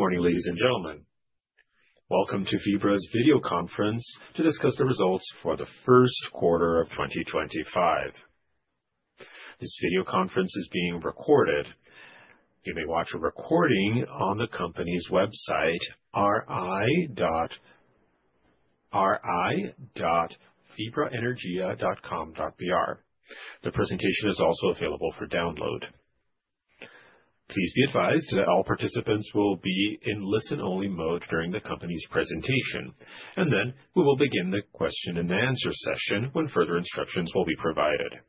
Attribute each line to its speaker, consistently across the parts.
Speaker 1: Good morning, ladies and gentlemen. Welcome to Vibra's video conference to discuss the results for the first quarter of 2025. This video conference is being recorded. You may watch a recording on the company's website, ri.vibraenergia.com.br. The presentation is also available for download. Please be advised that all participants will be in listen-only mode during the company's presentation, and then we will begin the question-and-answer session when further instructions will be provided.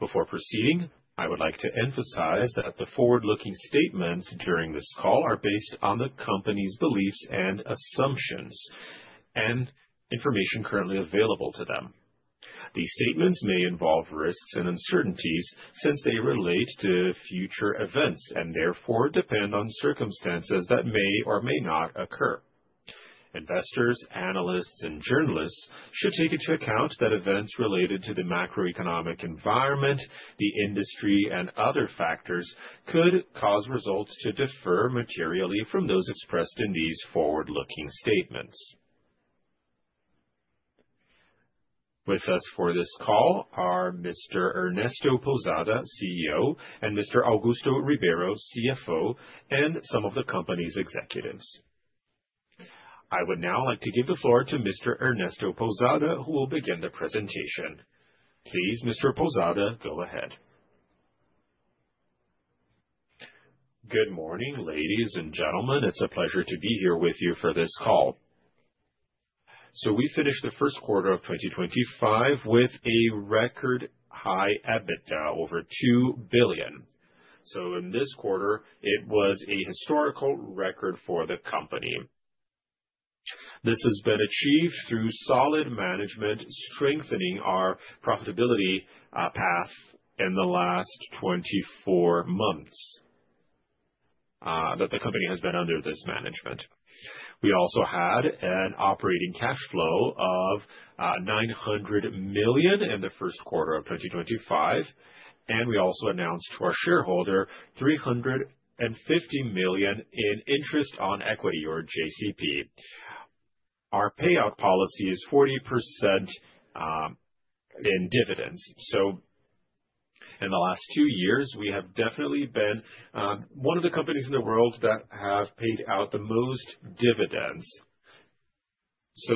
Speaker 1: Before proceeding, I would like to emphasize that the forward-looking statements during this call are based on the company's beliefs and assumptions and information currently available to them. These statements may involve risks and uncertainties since they relate to future events and therefore depend on circumstances that may or may not occur. Investors, analysts, and journalists should take into account that events related to the macroeconomic environment, the industry, and other factors could cause results to differ materially from those expressed in these forward-looking statements. With us for this call are Mr. Ernesto Pousada, CEO, and Mr. Augusto Ribeiro, CFO, and some of the company's executives. I would now like to give the floor to Mr. Ernesto Pousada, who will begin the presentation. Please, Mr. Pousada, go ahead.
Speaker 2: Good morning, ladies and gentlemen. It's a pleasure to be here with you for this call. We finished the first quarter of 2025 with a record high EBITDA, over $2 billion. In this quarter, it was a historical record for the company. This has been achieved through solid management, strengthening our profitability path in the last 24 months that the company has been under this management. We also had an operating cash flow of $900 million in the first quarter of 2025, and we also announced to our shareholder $350 million in interest on equity, or JCP. Our payout policy is 40% in dividends. In the last two years, we have definitely been one of the companies in the world that have paid out the most dividends.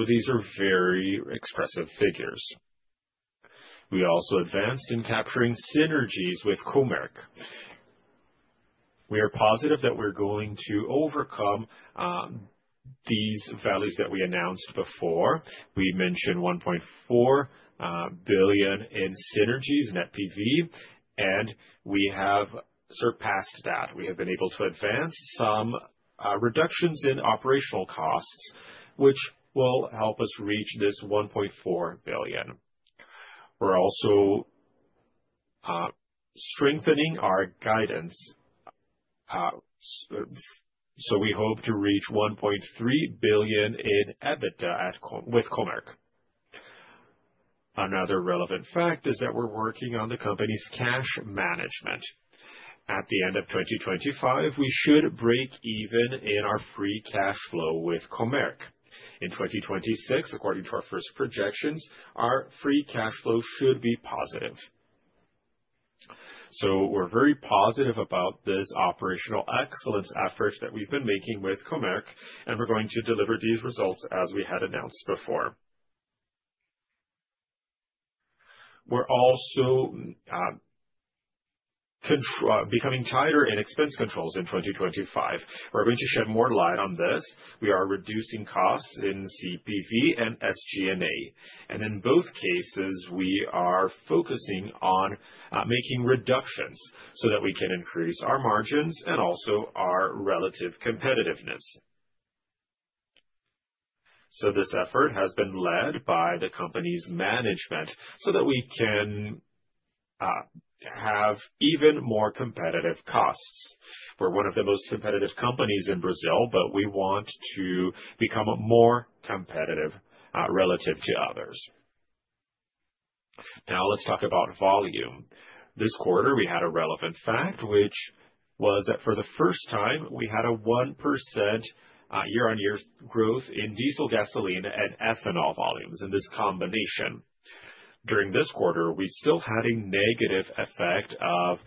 Speaker 2: These are very expressive figures. We also advanced in capturing synergies with Comerc. We are positive that we're going to overcome these values that we announced before. We mentioned $1.4 billion in synergies, net PV, and we have surpassed that. We have been able to advance some reductions in operational costs, which will help us reach this $1.4 billion. We are also strengthening our guidance, so we hope to reach $1.3 billion in EBITDA with Comerc. Another relevant fact is that we're working on the company's cash management. At the end of 2025, we should break even in our free cash flow with Comerc. In 2026, according to our first projections, our free cash flow should be positive. We are very positive about this operational excellence effort that we have been making with Comerc, and we are going to deliver these results as we had announced before. We are also becoming tighter in expense controls in 2025. We are going to shed more light on this. We are reducing costs in CPV and SG&A. In both cases, we are focusing on making reductions so that we can increase our margins and also our relative competitiveness. This effort has been led by the company's management so that we can have even more competitive costs. We are one of the most competitive companies in Brazil, but we want to become more competitive relative to others. Now, let's talk about volume. This quarter, we had a relevant fact, which was that for the first time, we had a 1% year-on-year growth in diesel, gasoline, and ethanol volumes in this combination. During this quarter, we still had a negative effect of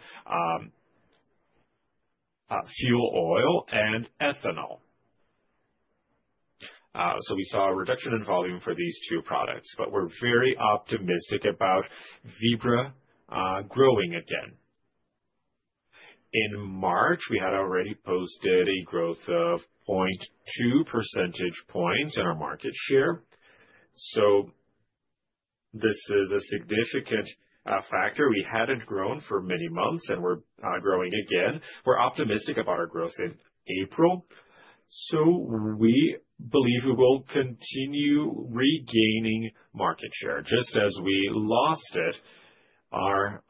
Speaker 2: fuel oil and ethanol. We saw a reduction in volume for these two products, but we're very optimistic about Vibra growing again. In March, we had already posted a growth of 0.2 percentage points in our market share. This is a significant factor. We had not grown for many months, and we're growing again. We're optimistic about our growth in April. We believe we will continue regaining market share. Just as we lost it, our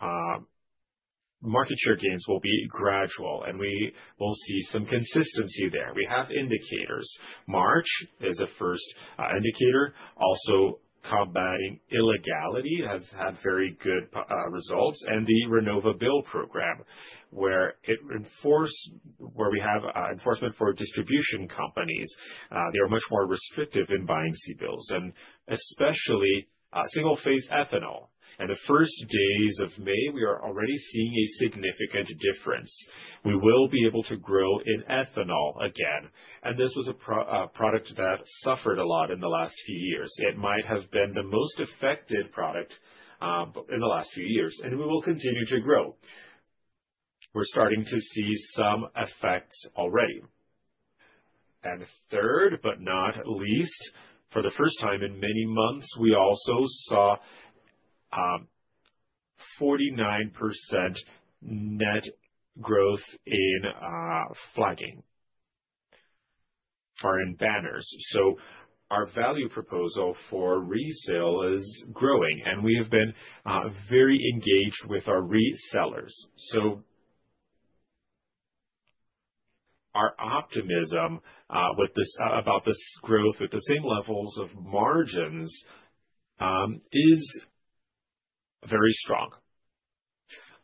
Speaker 2: market share gains will be gradual, and we will see some consistency there. We have indicators. March is a first indicator. Also, combating illegality has had very good results, and the RenovaBio program, where we have enforcement for distribution companies, they are much more restrictive in buying CBIOs, and especially single-phase ethanol. In the first days of May, we are already seeing a significant difference. We will be able to grow in ethanol again, and this was a product that suffered a lot in the last few years. It might have been the most affected product in the last few years, and we will continue to grow. We're starting to see some effects already. Third, but not least, for the first time in many months, we also saw 49% net growth in flagging, or in banners. Our value proposal for resale is growing, and we have been very engaged with our resellers. Our optimism about this growth with the same levels of margins is very strong.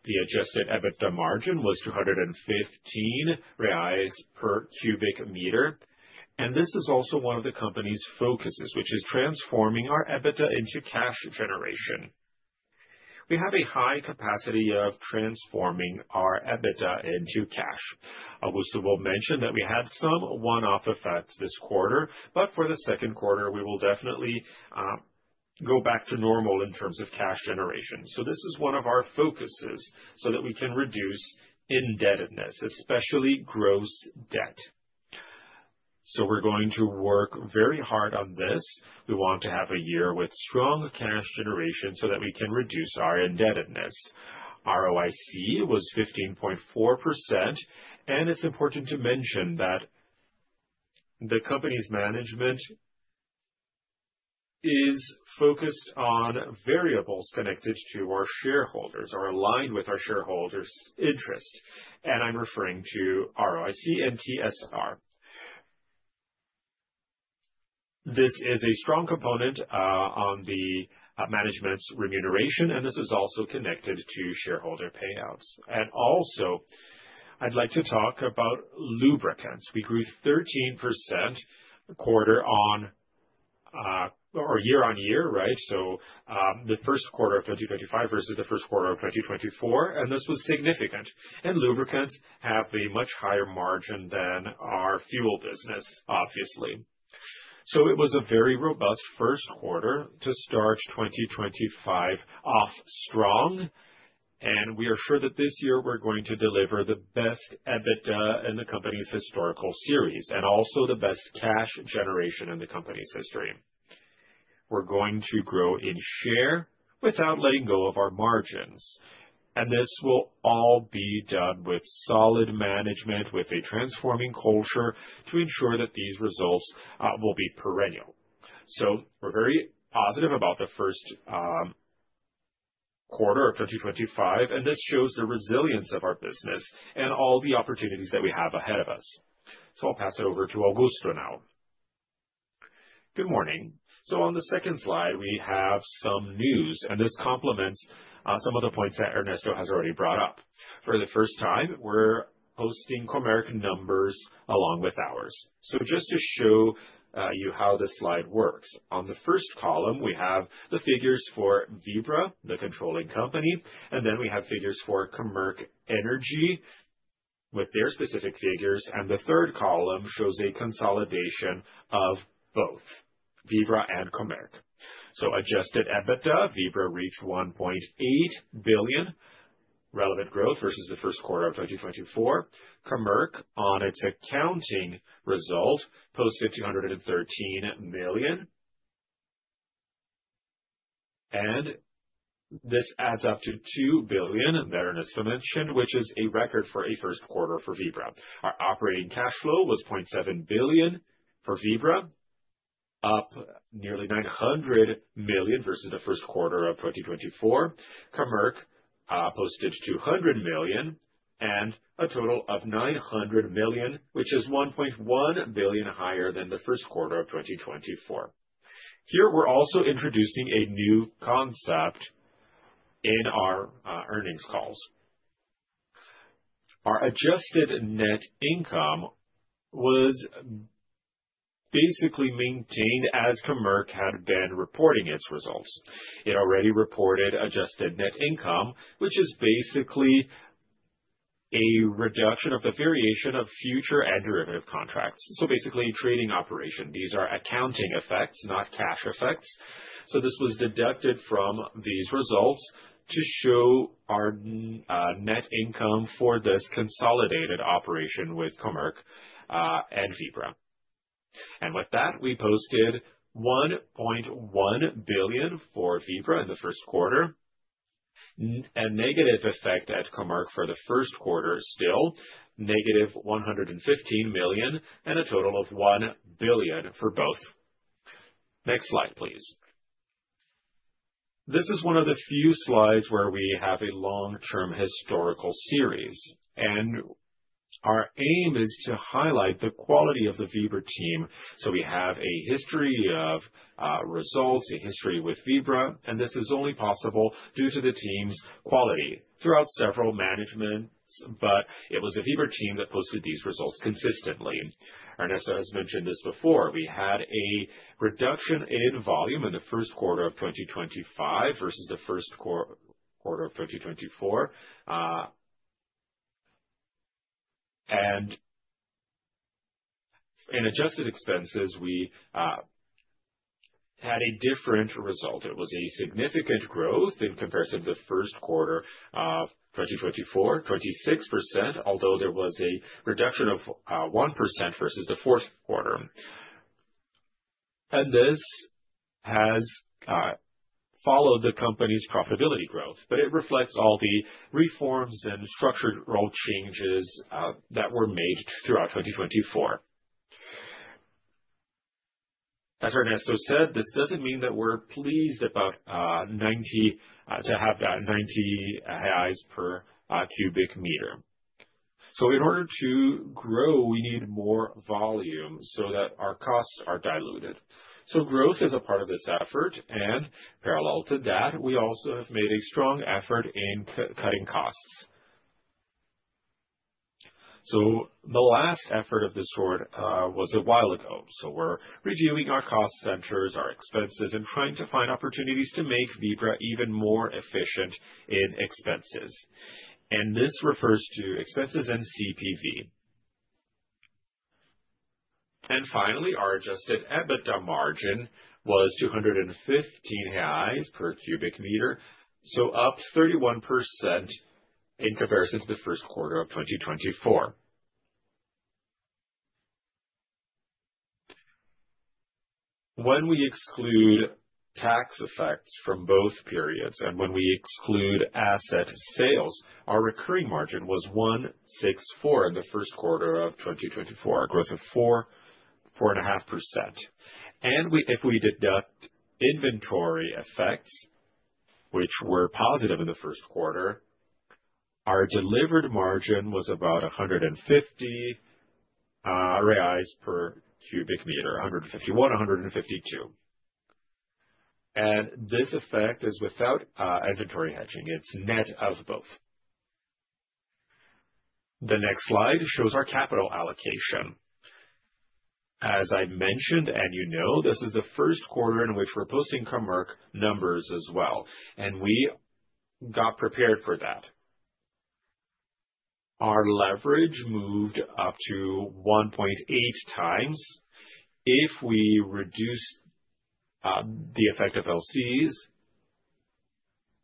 Speaker 2: The adjusted EBITDA margin was 215 reais per cubic meter, and this is also one of the company's focuses, which is transforming our EBITDA into cash generation. We have a high capacity of transforming our EBITDA into cash. Augusto will mention that we had some one-off effects this quarter, but for the second quarter, we will definitely go back to normal in terms of cash generation. This is one of our focuses so that we can reduce indebtedness, especially gross debt. We're going to work very hard on this. We want to have a year with strong cash generation so that we can reduce our indebtedness. ROIC was 15.4%, and it's important to mention that the company's management is focused on variables connected to our shareholders or aligned with our shareholders' interest. I'm referring to ROIC and TSR. This is a strong component on the management's remuneration, and this is also connected to shareholder payouts. Also, I'd like to talk about lubricants. We grew 13% quarter on or year on year, right? The first quarter of 2025 versus the first quarter of 2024, and this was significant. Lubricants have a much higher margin than our fuel business, obviously. It was a very robust first quarter to start 2025 off strong, and we are sure that this year we're going to deliver the best EBITDA in the company's historical series and also the best cash generation in the company's history. We're going to grow in share without letting go of our margins, and this will all be done with solid management, with a transforming culture to ensure that these results will be perennial. We're very positive about the first quarter of 2025, and this shows the resilience of our business and all the opportunities that we have ahead of us. I'll pass it over to Augusto now.
Speaker 3: Good morning. On the second slide, we have some news, and this complements some of the points that Ernesto has already brought up. For the first time, we're posting Comerc numbers along with ours. Just to show you how this slide works, in the first column, we have the figures for Vibra, the controlling company, and then we have figures for Comerc Energia with their specific figures, and the third column shows a consolidation of both Vibra and Comerc. Adjusted EBITDA, Vibra reached $1.8 billion, relevant growth versus the first quarter of 2024. Comerc, on its accounting result, posted $213 million, and this adds up to $2 billion, that Ernesto mentioned, which is a record for a first quarter for Vibra. Our operating cash flow was $0.7 billion for Vibra, up nearly $900 million versus the first quarter of 2024. Comerc posted $200 million and a total of $900 million, which is $1.1 billion higher than the first quarter of 2024. Here, we're also introducing a new concept in our earnings calls. Our adjusted net income was basically maintained as Comerc had been reporting its results. It already reported adjusted net income, which is basically a reduction of the variation of future and derivative contracts. So basically, trading operation. These are accounting effects, not cash effects. So this was deducted from these results to show our net income for this consolidated operation with Comerc and Vibra. With that, we posted $1.1 billion for Vibra in the first quarter, a negative effect at Comerc for the first quarter still, negative $115 million, and a total of $1 billion for both. Next slide, please. This is one of the few slides where we have a long-term historical series, and our aim is to highlight the quality of the Vibra team. We have a history of results, a history with Vibra, and this is only possible due to the team's quality throughout several managements, but it was the Vibra team that posted these results consistently. Ernesto has mentioned this before. We had a reduction in volume in the first quarter of 2025 versus the first quarter of 2024. In adjusted expenses, we had a different result. It was a significant growth in comparison to the first quarter of 2024, 26%, although there was a reduction of 1% versus the fourth quarter. This has followed the company's profitability growth, but it reflects all the reforms and structural changes that were made throughout 2024. As Ernesto said, this does not mean that we are pleased about to have that 90 per cubic meter. In order to grow, we need more volume so that our costs are diluted. Growth is a part of this effort, and parallel to that, we also have made a strong effort in cutting costs. The last effort of this sort was a while ago. We are reviewing our cost centers, our expenses, and trying to find opportunities to make Vibra even more efficient in expenses. This refers to expenses and CPV. Finally, our adjusted EBITDA margin was 215 per cubic meter, up 31% in comparison to the first quarter of 2024. When we exclude tax effects from both periods and when we exclude asset sales, our recurring margin was 164 in the first quarter of 2024, a growth of 4.5%. If we deduct inventory effects, which were positive in the first quarter, our delivered margin was about 150 reais per cubic meter, 151, 152. This effect is without inventory hedging. It is net of both. The next slide shows our capital allocation. As I mentioned, you know, this is the first quarter in which we are posting Comerc numbers as well, and we got prepared for that. Our leverage moved up to 1.8 times. If we reduce the effect of LCs,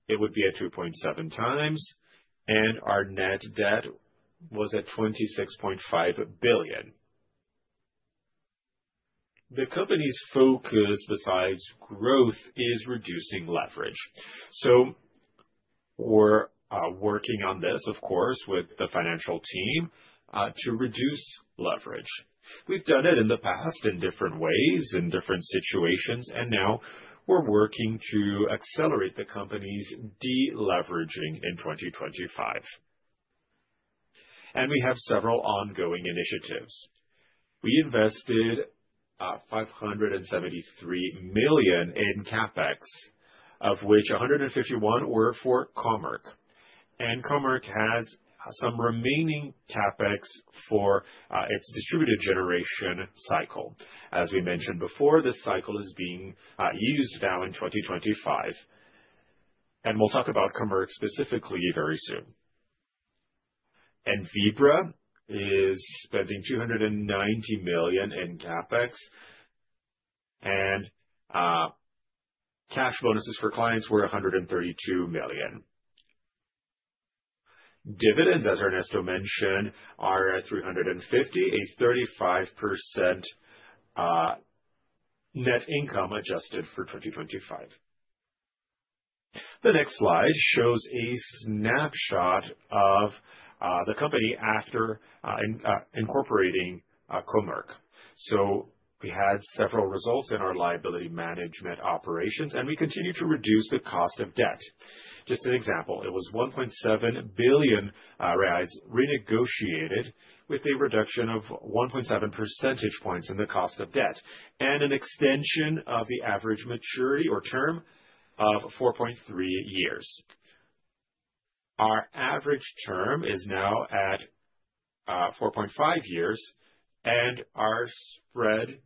Speaker 3: it would be at 2.7 times, and our net debt was at 26.5 billion. The company's focus, besides growth, is reducing leverage. So we're working on this, of course, with the financial team to reduce leverage. We've done it in the past in different ways, in different situations, and now we're working to accelerate the company's deleveraging in 2025. And we have several ongoing initiatives. We invested $573 million in CapEx, of which $151 million were for Comerc. And Comerc has some remaining CapEx for its distributed generation cycle. As we mentioned before, this cycle is being used now in 2025, and we'll talk about Comerc specifically very soon. And Vibra is spending $290 million in CapEx, and cash bonuses for clients were $132 million. Dividends, as Ernesto mentioned, are at $350 million, a 35% net income adjusted for 2025. The next slide shows a snapshot of the company after incorporating Comerc. We had several results in our liability management operations, and we continue to reduce the cost of debt. Just an example, it was $1.7 billion renegotiated with a reduction of 1.7 percentage points in the cost of debt and an extension of the average maturity or term of 4.3 years. Our average term is now at 4.5 years, and our spread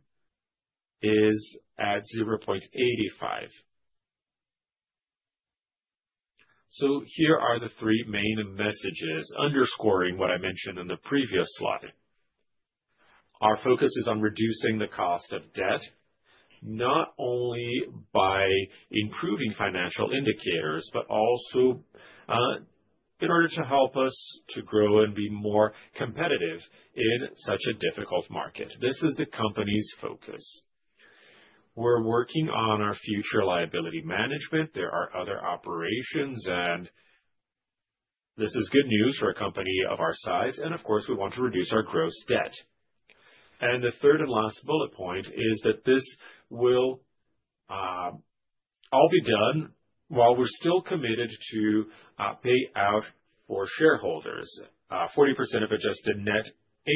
Speaker 3: is at 0.85. Here are the three main messages underscoring what I mentioned in the previous slide. Our focus is on reducing the cost of debt, not only by improving financial indicators, but also in order to help us to grow and be more competitive in such a difficult market. This is the company's focus. We're working on our future liability management. There are other operations, and this is good news for a company of our size, and of course, we want to reduce our gross debt. The third and last bullet point is that this will all be done while we're still committed to pay out for shareholders, 40% of adjusted net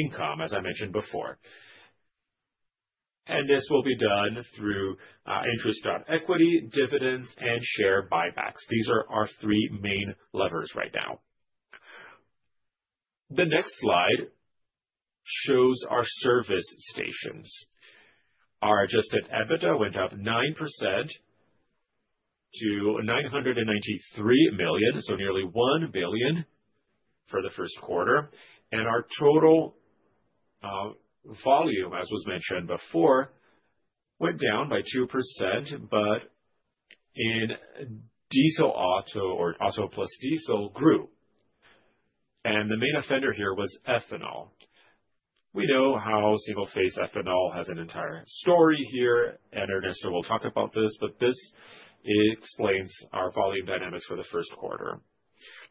Speaker 3: income, as I mentioned before. This will be done through interest on equity, dividends, and share buybacks. These are our three main levers right now. The next slide shows our service stations. Our adjusted EBITDA went up 9% to $993 million, so nearly $1 billion for the first quarter. Our total volume, as was mentioned before, went down by 2%, but in diesel auto or auto plus diesel grew. The main offender here was ethanol. We know how single-phase ethanol has an entire story here, and Ernesto will talk about this, but this explains our volume dynamics for the first quarter.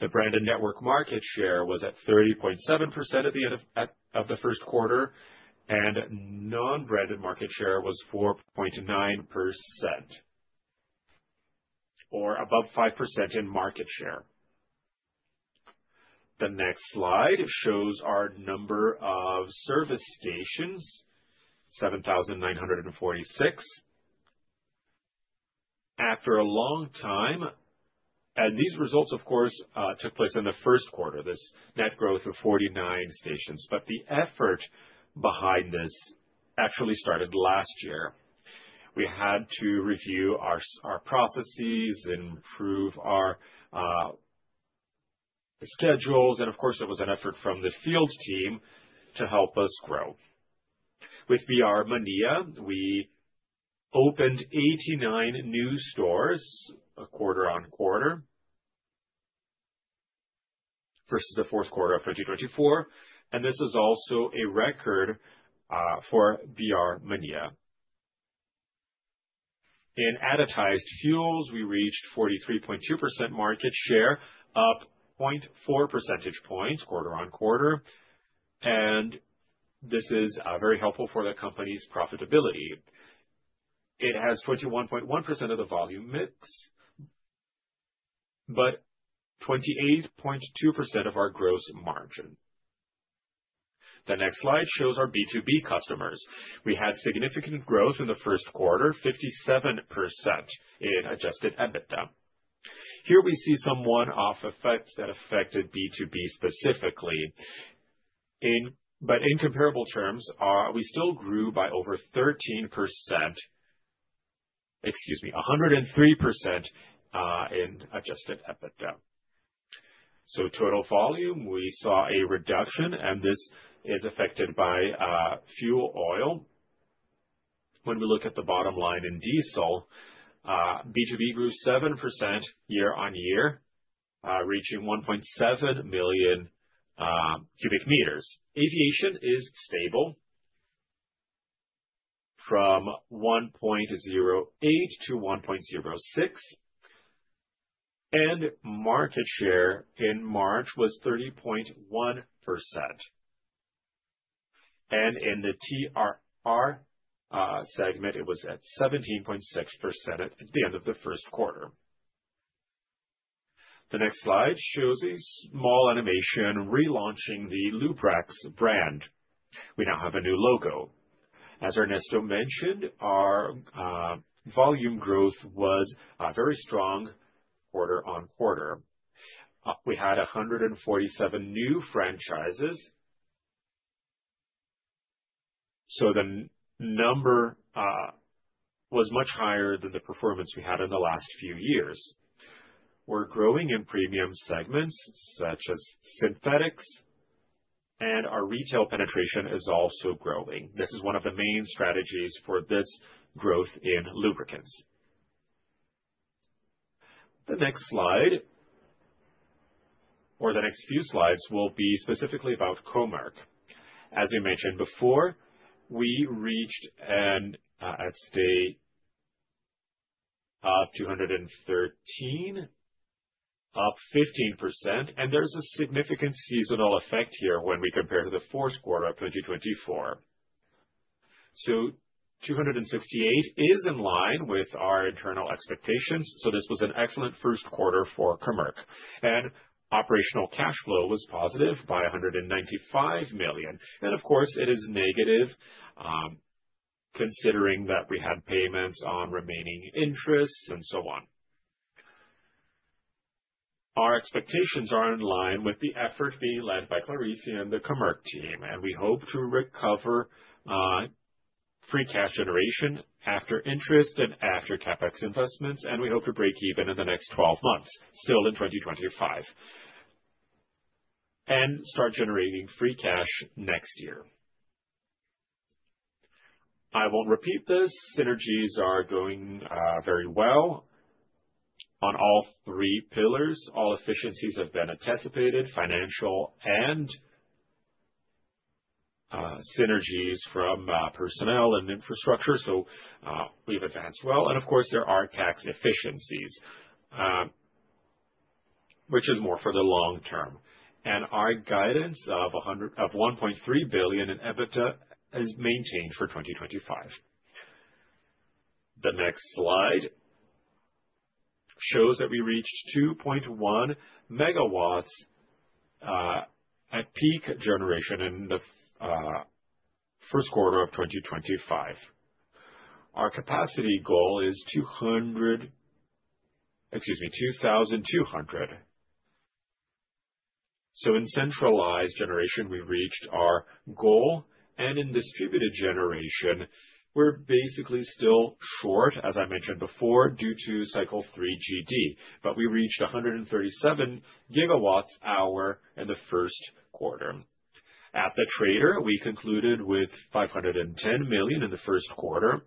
Speaker 3: The branded network market share was at 30.7% at the end of the first quarter, and non-branded market share was 4.9% or above 5% in market share. The next slide shows our number of service stations, 7,946. After a long time, and these results, of course, took place in the first quarter, this net growth of 49 stations, but the effort behind this actually started last year. We had to review our processes, improve our schedules, and of course, it was an effort from the field team to help us grow. With BR Mania, we opened 89 new stores quarter on quarter versus the fourth quarter of 2024, and this is also a record for BR Mania. In advertised fuels, we reached 43.2% market share, up 0.4 percentage points quarter on quarter, and this is very helpful for the company's profitability. It has 21.1% of the volume mix, but 28.2% of our gross margin. The next slide shows our B2B customers. We had significant growth in the first quarter, 57% in adjusted EBITDA. Here we see some one-off effects that affected B2B specifically, but in comparable terms, we still grew by over 13%, excuse me, 103% in adjusted EBITDA. Total volume, we saw a reduction, and this is affected by fuel oil. When we look at the bottom line in diesel, B2B grew 7% year on year, reaching 1.7 million cubic meters. Aviation is stable from 1.08 to 1.06, and market share in March was 30.1%. In the TRR segment, it was at 17.6% at the end of the first quarter. The next slide shows a small animation relaunching the Lubrax brand. We now have a new logo. As Ernesto mentioned, our volume growth was very strong quarter on quarter. We had 147 new franchises, so the number was much higher than the performance we had in the last few years. We're growing in premium segments such as synthetics, and our retail penetration is also growing. This is one of the main strategies for this growth in lubricants. The next slide, or the next few slides, will be specifically about Comerc. As we mentioned before, we reached an at stay of 213, up 15%, and there's a significant seasonal effect here when we compare to the fourth quarter of 2024. 268 is in line with our internal expectations, so this was an excellent first quarter for Comerc. Operational cash flow was positive by 195 million. Of course, it is negative considering that we had payments on remaining interests and so on. Our expectations are in line with the effort being led by Clarice and the Comerc team, and we hope to recover free cash generation after interest and after CapEx investments, and we hope to break even in the next 12 months, still in 2025, and start generating free cash next year. I won't repeat this. Synergies are going very well on all three pillars. All efficiencies have been anticipated, financial and synergies from personnel and infrastructure, so we've advanced well. Of course, there are tax efficiencies, which is more for the long term. Our guidance of $1.3 billion in EBITDA is maintained for 2025. The next slide shows that we reached 2.1 megawatts at peak generation in the first quarter of 2025. Our capacity goal is 2,200. In centralized generation, we reached our goal, and in distributed generation, we're basically still short, as I mentioned before, due to cycle 3GD, but we reached 137 gigawatt hour in the first quarter. At the trader, we concluded with 510 million in the first quarter,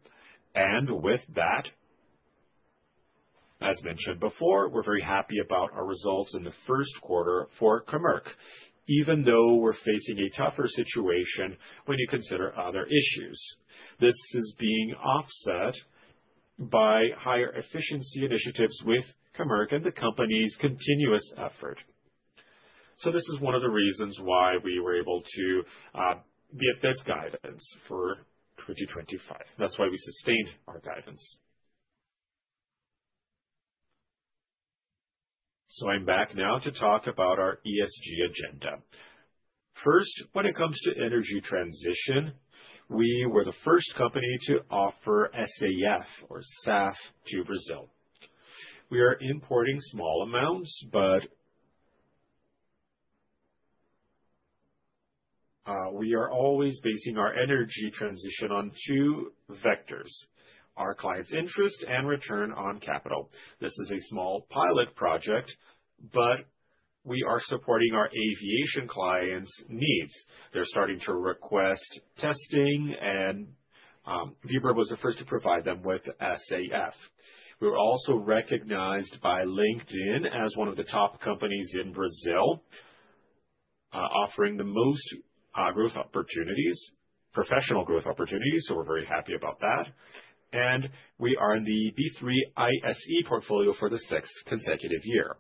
Speaker 3: and with that, as mentioned before, we're very happy about our results in the first quarter for Comerc, even though we're facing a tougher situation when you consider other issues. This is being offset by higher efficiency initiatives with Comerc and the company's continuous effort. This is one of the reasons why we were able to be at this guidance for 2025. That's why we sustained our guidance.
Speaker 2: I'm back now to talk about our ESG agenda. First, when it comes to energy transition, we were the first company to offer SAF or SAF to Brazil. We are importing small amounts, but we are always basing our energy transition on two vectors: our client's interest and return on capital. This is a small pilot project, but we are supporting our aviation clients' needs. They're starting to request testing, and Vibra was the first to provide them with SAF. We were also recognized by LinkedIn as one of the top companies in Brazil, offering the most growth opportunities, professional growth opportunities, so we're very happy about that. We are in the B3 ISE portfolio for the sixth consecutive year.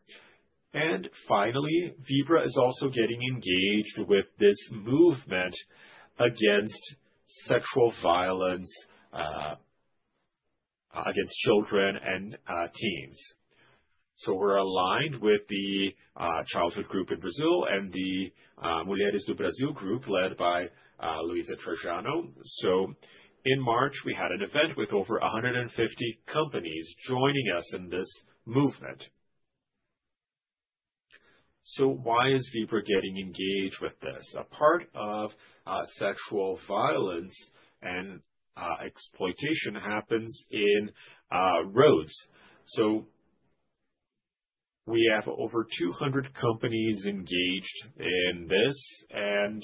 Speaker 2: Finally, Vibra is also getting engaged with this movement against sexual violence against children and teens. We are aligned with the childhood group in Brazil and the Mulheres do Brasil group led by Luiza Trajano. In March, we had an event with over 150 companies joining us in this movement. Why is Vibra getting engaged with this? A part of sexual violence and exploitation happens in roads. We have over 200 companies engaged in this, and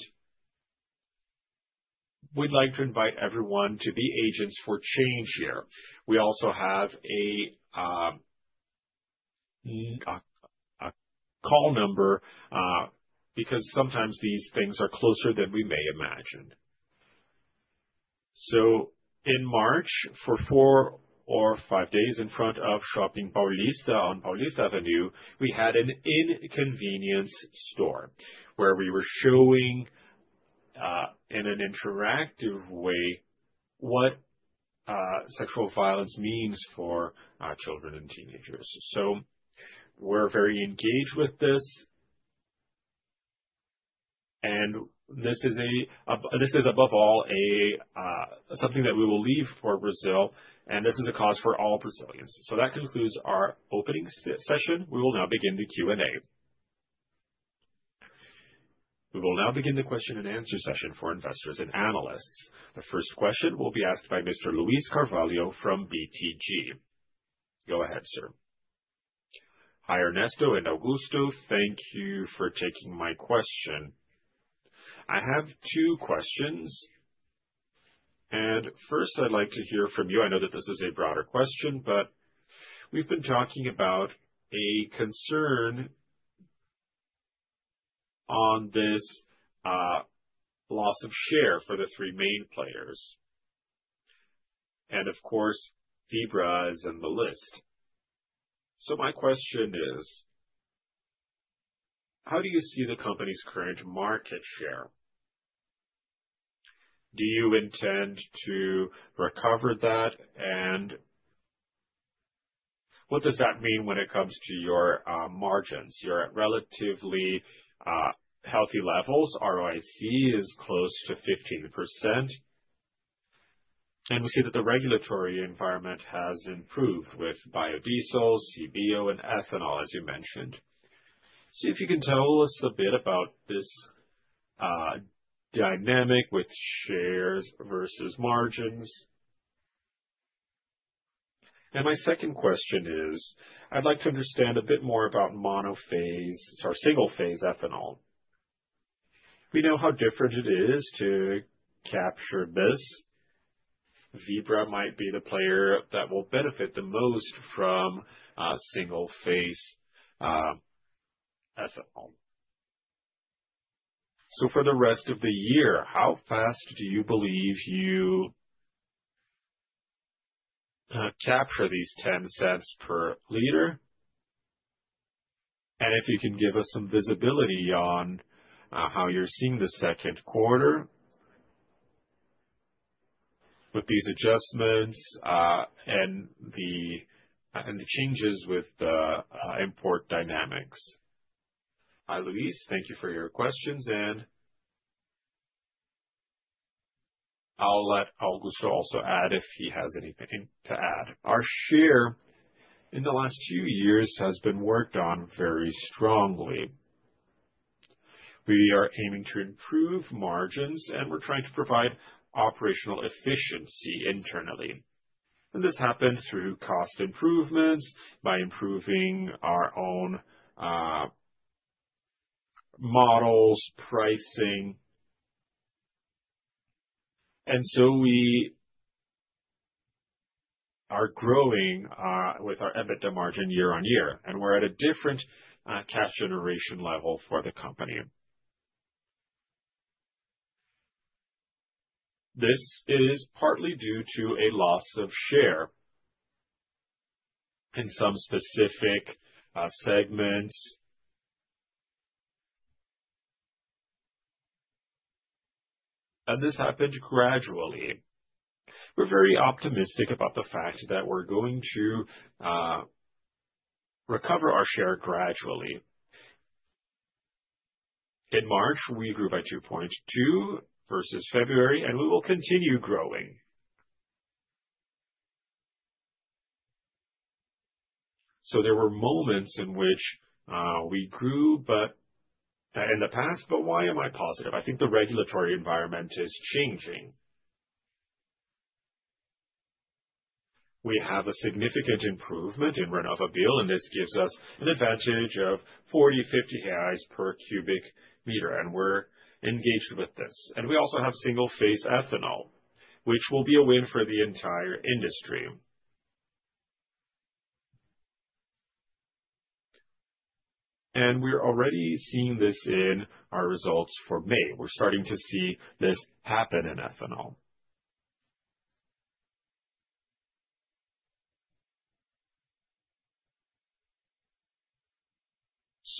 Speaker 2: we'd like to invite everyone to be agents for change here. We also have a call number because sometimes these things are closer than we may imagine. In March, for four or five days in front of Shopping Paulista on Paulista Avenue, we had an inconvenience store where we were showing in an interactive way what sexual violence means for children and teenagers. We're very engaged with this, and this is above all something that we will leave for Brazil, and this is a cause for all Brazilians.
Speaker 1: That concludes our opening session. We will now begin the Q&A. We will now begin the question and answer session for investors and analysts. The first question will be asked by Mr. Luis Carvalho from BTG. Go ahead, sir.
Speaker 4: Hi, Ernesto and Augusto. Thank you for taking my question. I have two questions, and first, I'd like to hear from you. I know that this is a broader question, but we've been talking about a concern on this loss of share for the three main players. Of course, Vibra is in the list. My question is, how do you see the company's current market share? Do you intend to recover that, and what does that mean when it comes to your margins? You're at relatively healthy levels. ROIC is close to 15%, and we see that the regulatory environment has improved with biodiesel, CBO, and ethanol, as you mentioned. See if you can tell us a bit about this dynamic with shares versus margins. My second question is, I'd like to understand a bit more about monophase or single-phase ethanol. We know how different it is to capture this. Vibra might be the player that will benefit the most from single-phase ethanol. For the rest of the year, how fast do you believe you capture these 10 cents per liter? If you can give us some visibility on how you're seeing the second quarter with these adjustments and the changes with the import dynamics.
Speaker 2: Hi, Luis. Thank you for your questions, and I'll let Augusto also add if he has anything to add. Our share in the last few years has been worked on very strongly. We are aiming to improve margins, and we're trying to provide operational efficiency internally. This happened through cost improvements by improving our own models, pricing. We are growing with our EBITDA margin year on year, and we're at a different cash generation level for the company. This is partly due to a loss of share in some specific segments, and this happened gradually. We're very optimistic about the fact that we're going to recover our share gradually. In March, we grew by 2.2% versus February, and we will continue growing. There were moments in which we grew in the past, but why am I positive? I think the regulatory environment is changing. We have a significant improvement in RenovaBio, and this gives us an advantage of 40-50 Brazilian Real per cubic meter, and we're engaged with this. We also have single-phase ethanol, which will be a win for the entire industry. We're already seeing this in our results for May. We're starting to see this happen in ethanol.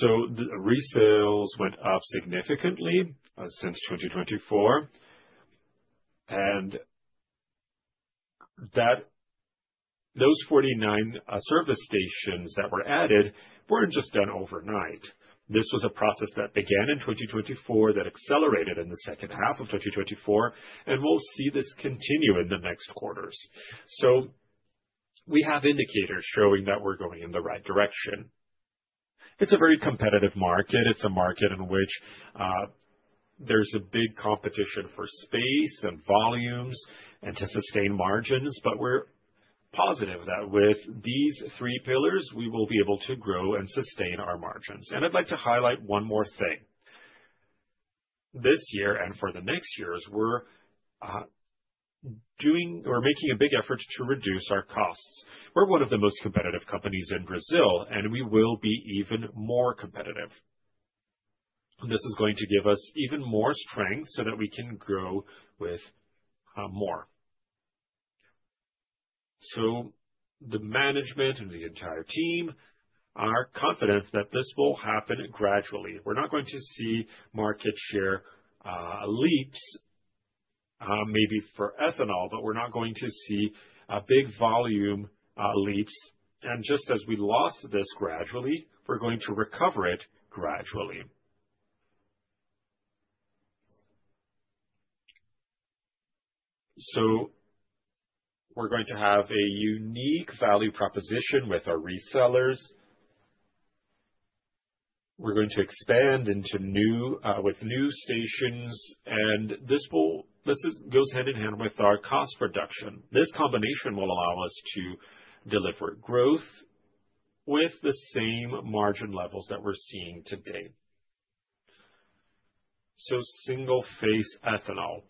Speaker 2: The resales went up significantly since 2024, and those 49 service stations that were added were not just done overnight. This was a process that began in 2024 that accelerated in the second half of 2024, and we will see this continue in the next quarters. We have indicators showing that we are going in the right direction. It is a very competitive market. It is a market in which there is big competition for space and volumes and to sustain margins, but we are positive that with these three pillars, we will be able to grow and sustain our margins. I would like to highlight one more thing. This year and for the next years, we are making a big effort to reduce our costs. We are one of the most competitive companies in Brazil, and we will be even more competitive. This is going to give us even more strength so that we can grow with more. The management and the entire team are confident that this will happen gradually. We're not going to see market share leaps, maybe for ethanol, but we're not going to see big volume leaps. Just as we lost this gradually, we're going to recover it gradually. We're going to have a unique value proposition with our resellers. We're going to expand with new stations, and this goes hand in hand with our cost reduction. This combination will allow us to deliver growth with the same margin levels that we're seeing today. Single-phase ethanol,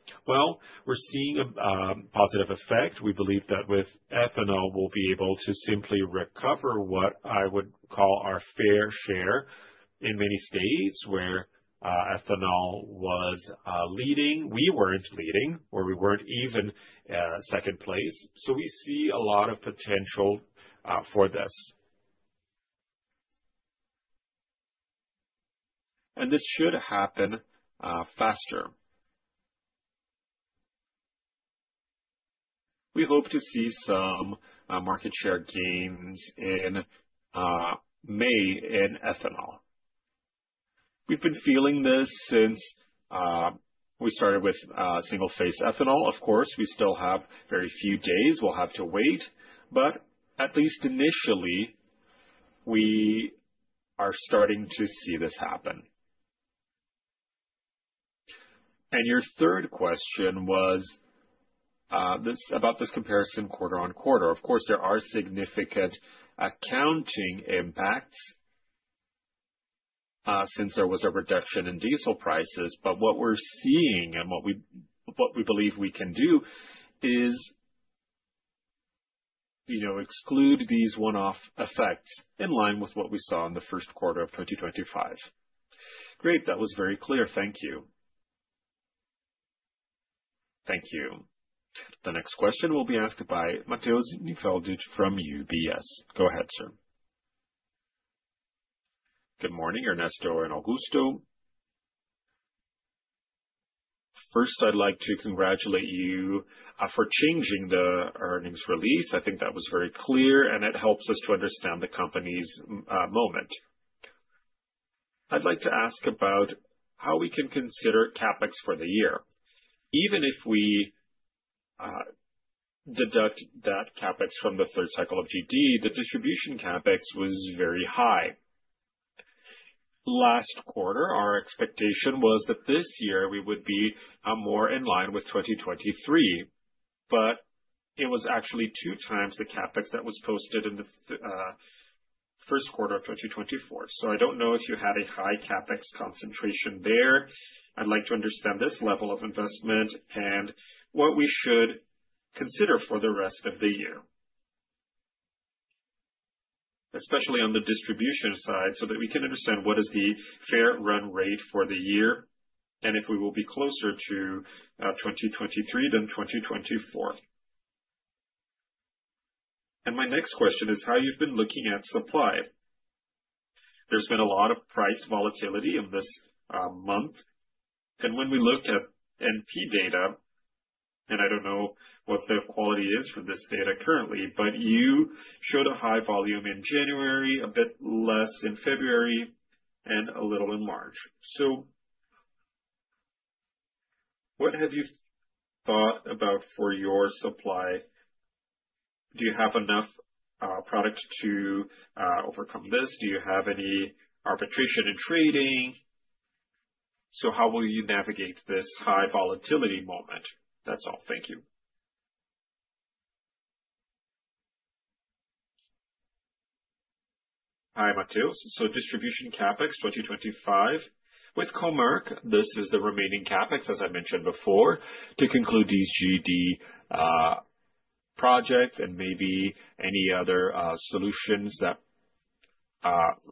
Speaker 2: we're seeing a positive effect. We believe that with ethanol, we'll be able to simply recover what I would call our fair share in many states where ethanol was leading. We were not leading, or we were not even second place. We see a lot of potential for this. This should happen faster. We hope to see some market share gains in May in ethanol. We have been feeling this since we started with single-phase ethanol. Of course, we still have very few days, we will have to wait, but at least initially, we are starting to see this happen. Your third question was about this comparison quarter on quarter. Of course, there are significant accounting impacts since there was a reduction in diesel prices, but what we are seeing and what we believe we can do is exclude these one-off effects in line with what we saw in the first quarter of 2025.
Speaker 4: Great. That was very clear. Thank you.
Speaker 1: Thank you. The next question will be asked by Matheus Enfeldt from UBS. Go ahead, sir.
Speaker 5: Good morning, Ernesto and Augusto. First, I'd like to congratulate you for changing the earnings release. I think that was very clear, and it helps us to understand the company's moment. I'd like to ask about how we can consider CapEx for the year. Even if we deduct that CapEx from the third cycle of GD, the distribution CapEx was very high. Last quarter, our expectation was that this year we would be more in line with 2023, but it was actually two times the CapEx that was posted in the first quarter of 2024. I don't know if you had a high CapEx concentration there. I'd like to understand this level of investment and what we should consider for the rest of the year, especially on the distribution side, so that we can understand what is the fair run rate for the year and if we will be closer to 2023 than 2024. My next question is how you've been looking at supply. There's been a lot of price volatility in this month. When we looked at NP data, and I don't know what the quality is for this data currently, but you showed a high volume in January, a bit less in February, and a little in March. What have you thought about for your supply? Do you have enough product to overcome this? Do you have any arbitration and trading? How will you navigate this high volatility moment? That's all. Thank you.
Speaker 3: Hi, Matheus. Distribution CapEx 2025 with Comerc, this is the remaining CapEx, as I mentioned before, to conclude these GD projects and maybe any other solutions that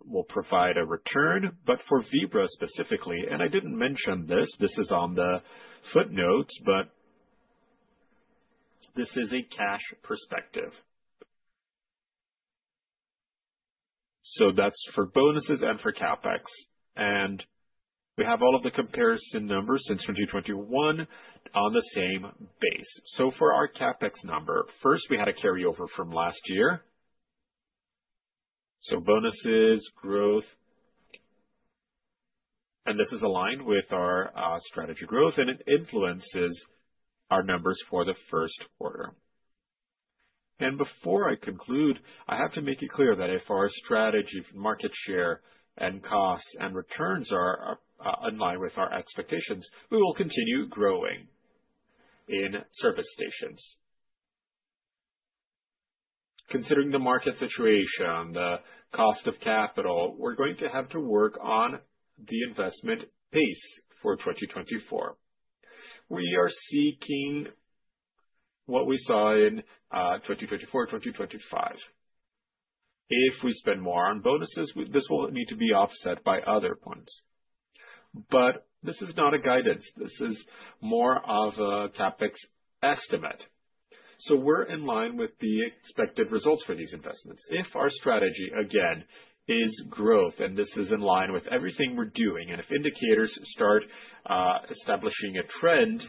Speaker 3: will provide a return. For Vibra specifically, and I didn't mention this, this is on the footnotes, but this is a cash perspective. That is for bonuses and for CapEx. We have all of the comparison numbers since 2021 on the same base. For our CapEx number, first, we had a carryover from last year. Bonuses, growth, and this is aligned with our strategy growth, and it influences our numbers for the first quarter. Before I conclude, I have to make it clear that if our strategy for market share and costs and returns are in line with our expectations, we will continue growing in service stations. Considering the market situation, the cost of capital, we are going to have to work on the investment pace for 2024. We are seeking what we saw in 2024, 2025. If we spend more on bonuses, this will need to be offset by other points. This is not a guidance. This is more of a CapEx estimate. We're in line with the expected results for these investments. If our strategy, again, is growth, and this is in line with everything we're doing, and if indicators start establishing a trend,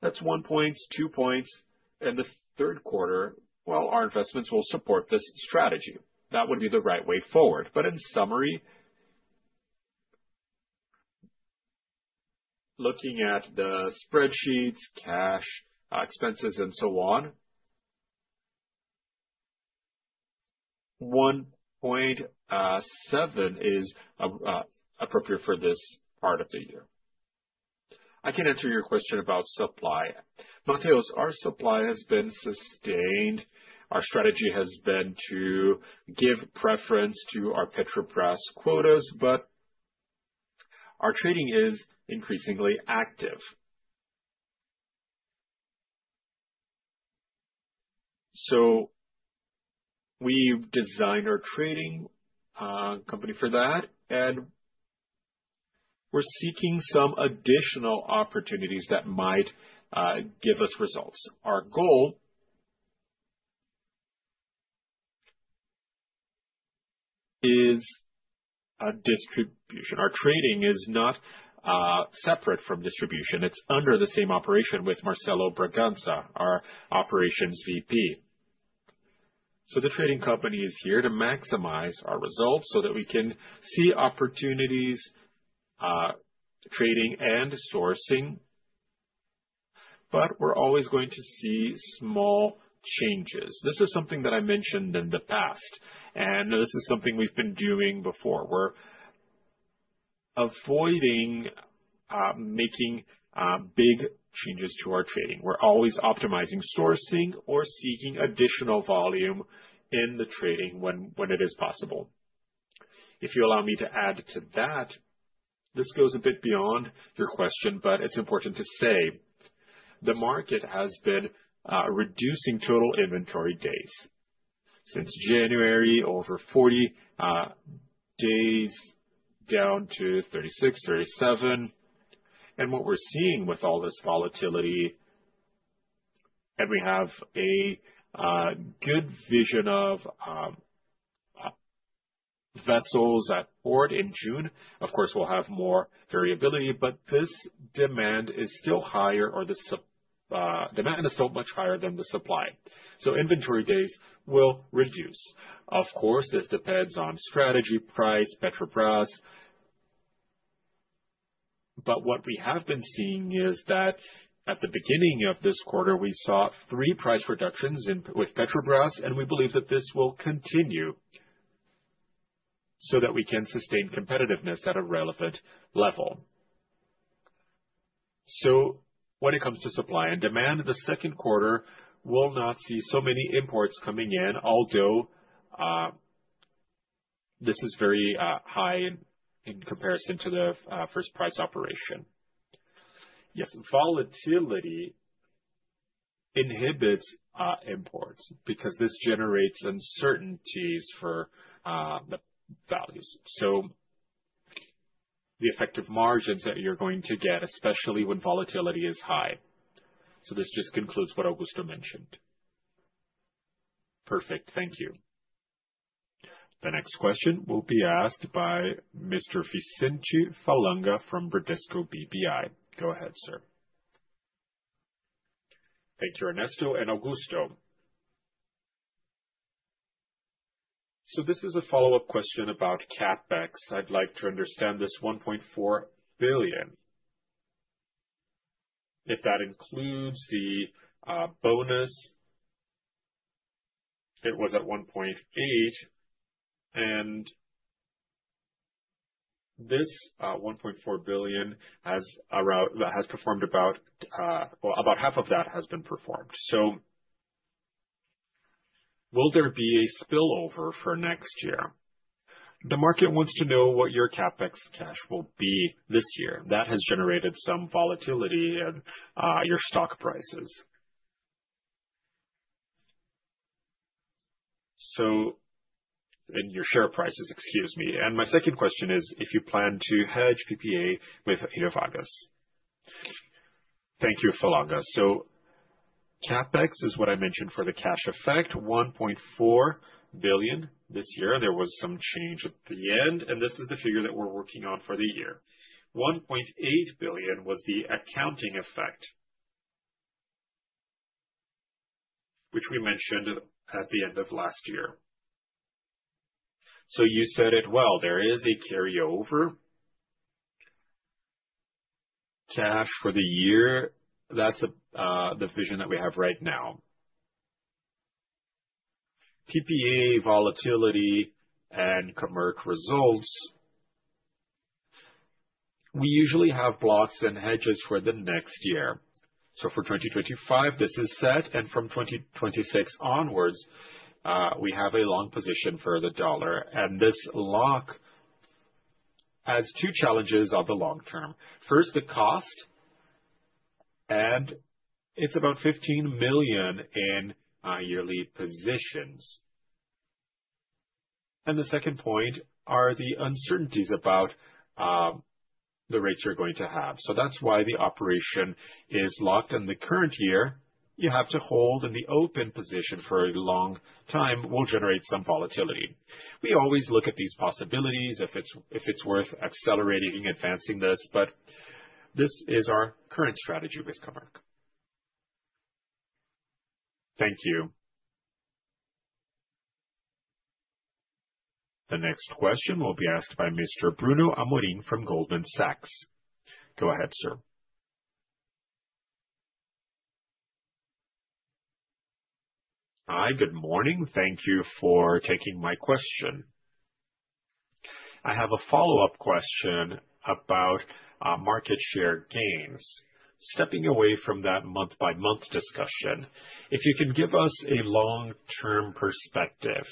Speaker 3: that's one point, two points. In the third quarter, our investments will support this strategy. That would be the right way forward. In summary, looking at the spreadsheets, cash expenses, and so on, 1.7 billion is appropriate for this part of the year.
Speaker 2: I can answer your question about supply. Matheus, our supply has been sustained. Our strategy has been to give preference to our Petrobras quotas, but our trading is increasingly active. We designed our trading company for that, and we're seeking some additional opportunities that might give us results. Our goal is distribution. Our trading is not separate from distribution. It's under the same operation with Marcelo Bragança, our Operations VP. The trading company is here to maximize our results so that we can see opportunities trading and sourcing, but we're always going to see small changes. This is something that I mentioned in the past, and this is something we've been doing before. We're avoiding making big changes to our trading. We're always optimizing sourcing or seeking additional volume in the trading when it is possible.
Speaker 3: If you allow me to add to that, this goes a bit beyond your question, but it's important to say the market has been reducing total inventory days since January, over 40 days down to 36-37. What we're seeing with all this volatility, and we have a good vision of vessels at port in June, of course, we'll have more variability, but this demand is still higher, or the demand is still much higher than the supply. Inventory days will reduce. Of course, this depends on strategy, price, Petrobras. What we have been seeing is that at the beginning of this quarter, we saw three price reductions with Petrobras, and we believe that this will continue so that we can sustain competitiveness at a relevant level. When it comes to supply and demand, the second quarter will not see so many imports coming in, although this is very high in comparison to the first price operation.
Speaker 2: Yes, volatility inhibits imports because this generates uncertainties for the values. The effective margins that you are going to get, especially when volatility is high. This just concludes what Augusto mentioned.
Speaker 5: Perfect. Thank you.
Speaker 1: The next question will be asked by Mr. Vicente Falanga from Bradesco BBI. Go ahead, sir.
Speaker 6: Thank you, Ernesto and Augusto. This is a follow-up question about CapEx. I'd like to understand this 1.4 billion. If that includes the bonus, it was at 1.8 billion, and this 1.4 billion has performed about, well, about half of that has been performed. Will there be a spillover for next year? The market wants to know what your CapEx cash will be this year. That has generated some volatility in your share prices. My second question is, if you plan to hedge PPA with Hélio Valgas.
Speaker 3: Thank you, Falanga. CapEx is what I mentioned for the cash effect, 1.4 billion this year. There was some change at the end, and this is the figure that we're working on for the year. 1.8 billion was the accounting effect, which we mentioned at the end of last year. You said it well. There is a carryover cash for the year. That's the vision that we have right now. PPA, volatility, and Comerc results. We usually have blocks and hedges for the next year. For 2025, this is set, and from 2026 onwards, we have a long position for the dollar. This lock has two challenges on the long term. First, the cost, and it's about $15 million in yearly positions. The second point is the uncertainties about the rates you're going to have. That's why the operation is locked. In the current year, you have to hold in the open position for a long time, which will generate some volatility. We always look at these possibilities if it's worth accelerating and advancing this, but this is our current strategy with Comerc.
Speaker 1: Thank you. The next question will be asked by Mr. Bruno Amorim from Goldman Sachs. Go ahead, sir.
Speaker 7: Hi, good morning. Thank you for taking my question. I have a follow-up question about market share gains. Stepping away from that month-by-month discussion, if you can give us a long-term perspective.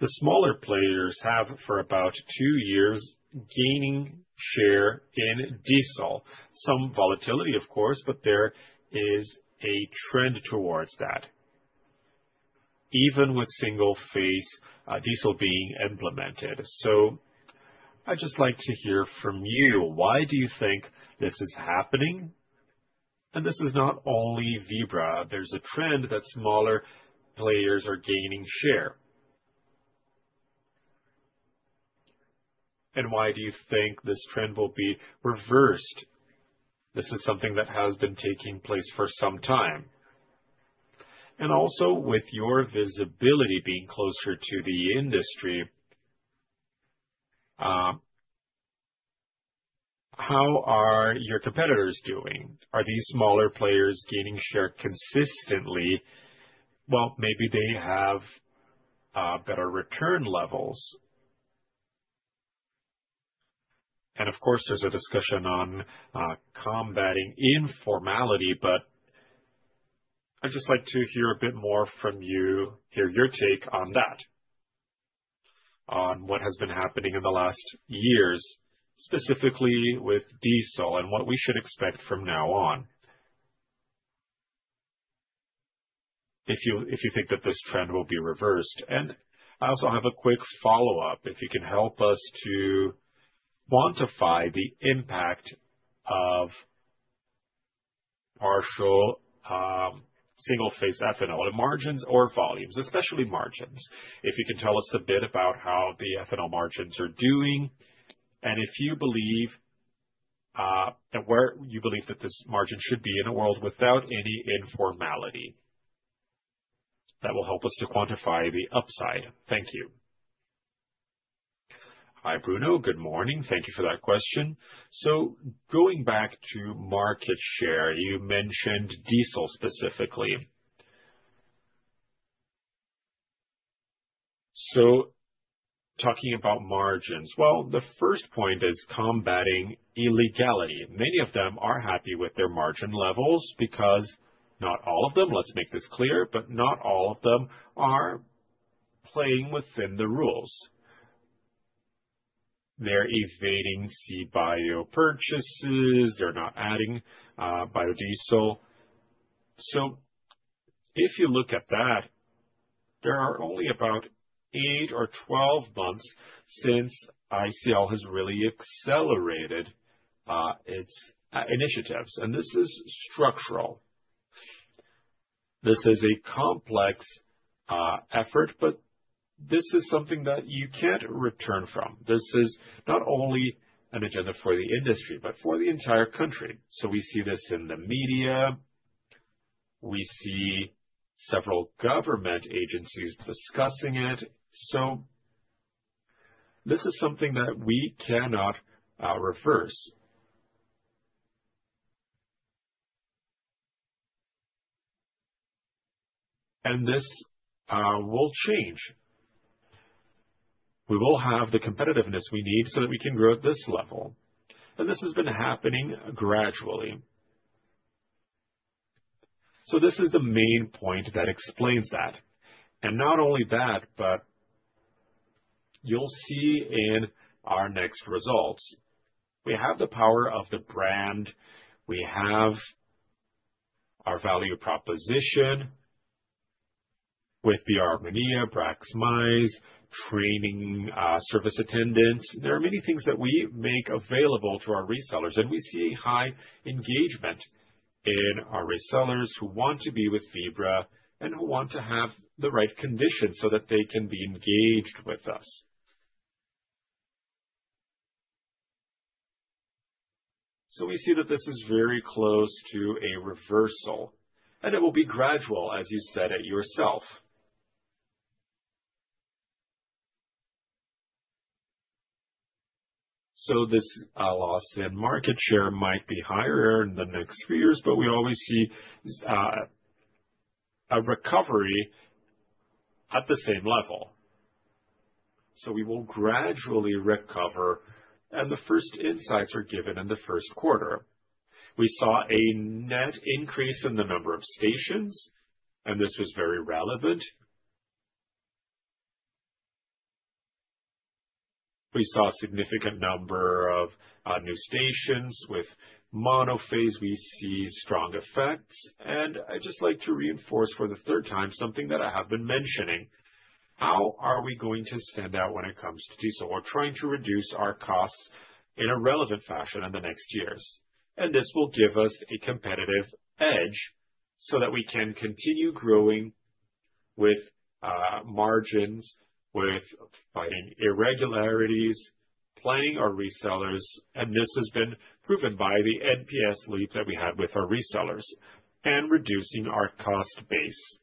Speaker 7: The smaller players have for about two years gaining share in diesel. Some volatility, of course, but there is a trend towards that, even with single-phase diesel being implemented. I just like to hear from you. Why do you think this is happening? This is not only Vibra. There is a trend that smaller players are gaining share. Why do you think this trend will be reversed? This is something that has been taking place for some time. Also, with your visibility being closer to the industry, how are your competitors doing? Are these smaller players gaining share consistently? Maybe they have better return levels. Of course, there's a discussion on combating informality, but I'd just like to hear a bit more from you, hear your take on that, on what has been happening in the last years, specifically with diesel and what we should expect from now on if you think that this trend will be reversed. I also have a quick follow-up. If you can help us to quantify the impact of partial single-phase ethanol in margins or volumes, especially margins, if you can tell us a bit about how the ethanol margins are doing, and if you believe that, where you believe that this margin should be in a world without any informality. That will help us to quantify the upside.
Speaker 2: Thank you. Hi, Bruno. Good morning. Thank you for that question. Going back to market share, you mentioned diesel specifically. Talking about margins, the first point is combating illegality. Many of them are happy with their margin levels because not all of them, let's make this clear, but not all of them are playing within the rules. They're evading CBIO purchases. They're not adding biodiesel. If you look at that, there are only about 8 or 12 months since ICL has really accelerated its initiatives. This is structural. This is a complex effort, but this is something that you can't return from. This is not only an agenda for the industry, but for the entire country. We see this in the media. We see several government agencies discussing it. This is something that we cannot reverse. This will change. We will have the competitiveness we need so that we can grow at this level. This has been happening gradually. This is the main point that explains that. Not only that, but you'll see in our next results, we have the power of the brand. We have our value proposition with the BR Mania, Lubrax, training service attendants. There are many things that we make available to our resellers, and we see a high engagement in our resellers who want to be with Vibra and who want to have the right conditions so that they can be engaged with us. We see that this is very close to a reversal, and it will be gradual, as you said it yourself. This loss in market share might be higher in the next few years, but we always see a recovery at the same level. We will gradually recover, and the first insights are given in the first quarter. We saw a net increase in the number of stations, and this was very relevant. We saw a significant number of new stations with monophase. We see strong effects. I would just like to reinforce for the third time something that I have been mentioning. How are we going to stand out when it comes to diesel? We are trying to reduce our costs in a relevant fashion in the next years. This will give us a competitive edge so that we can continue growing with margins, with fighting irregularities, planning our resellers. This has been proven by the NPS lead that we had with our resellers and reducing our cost base,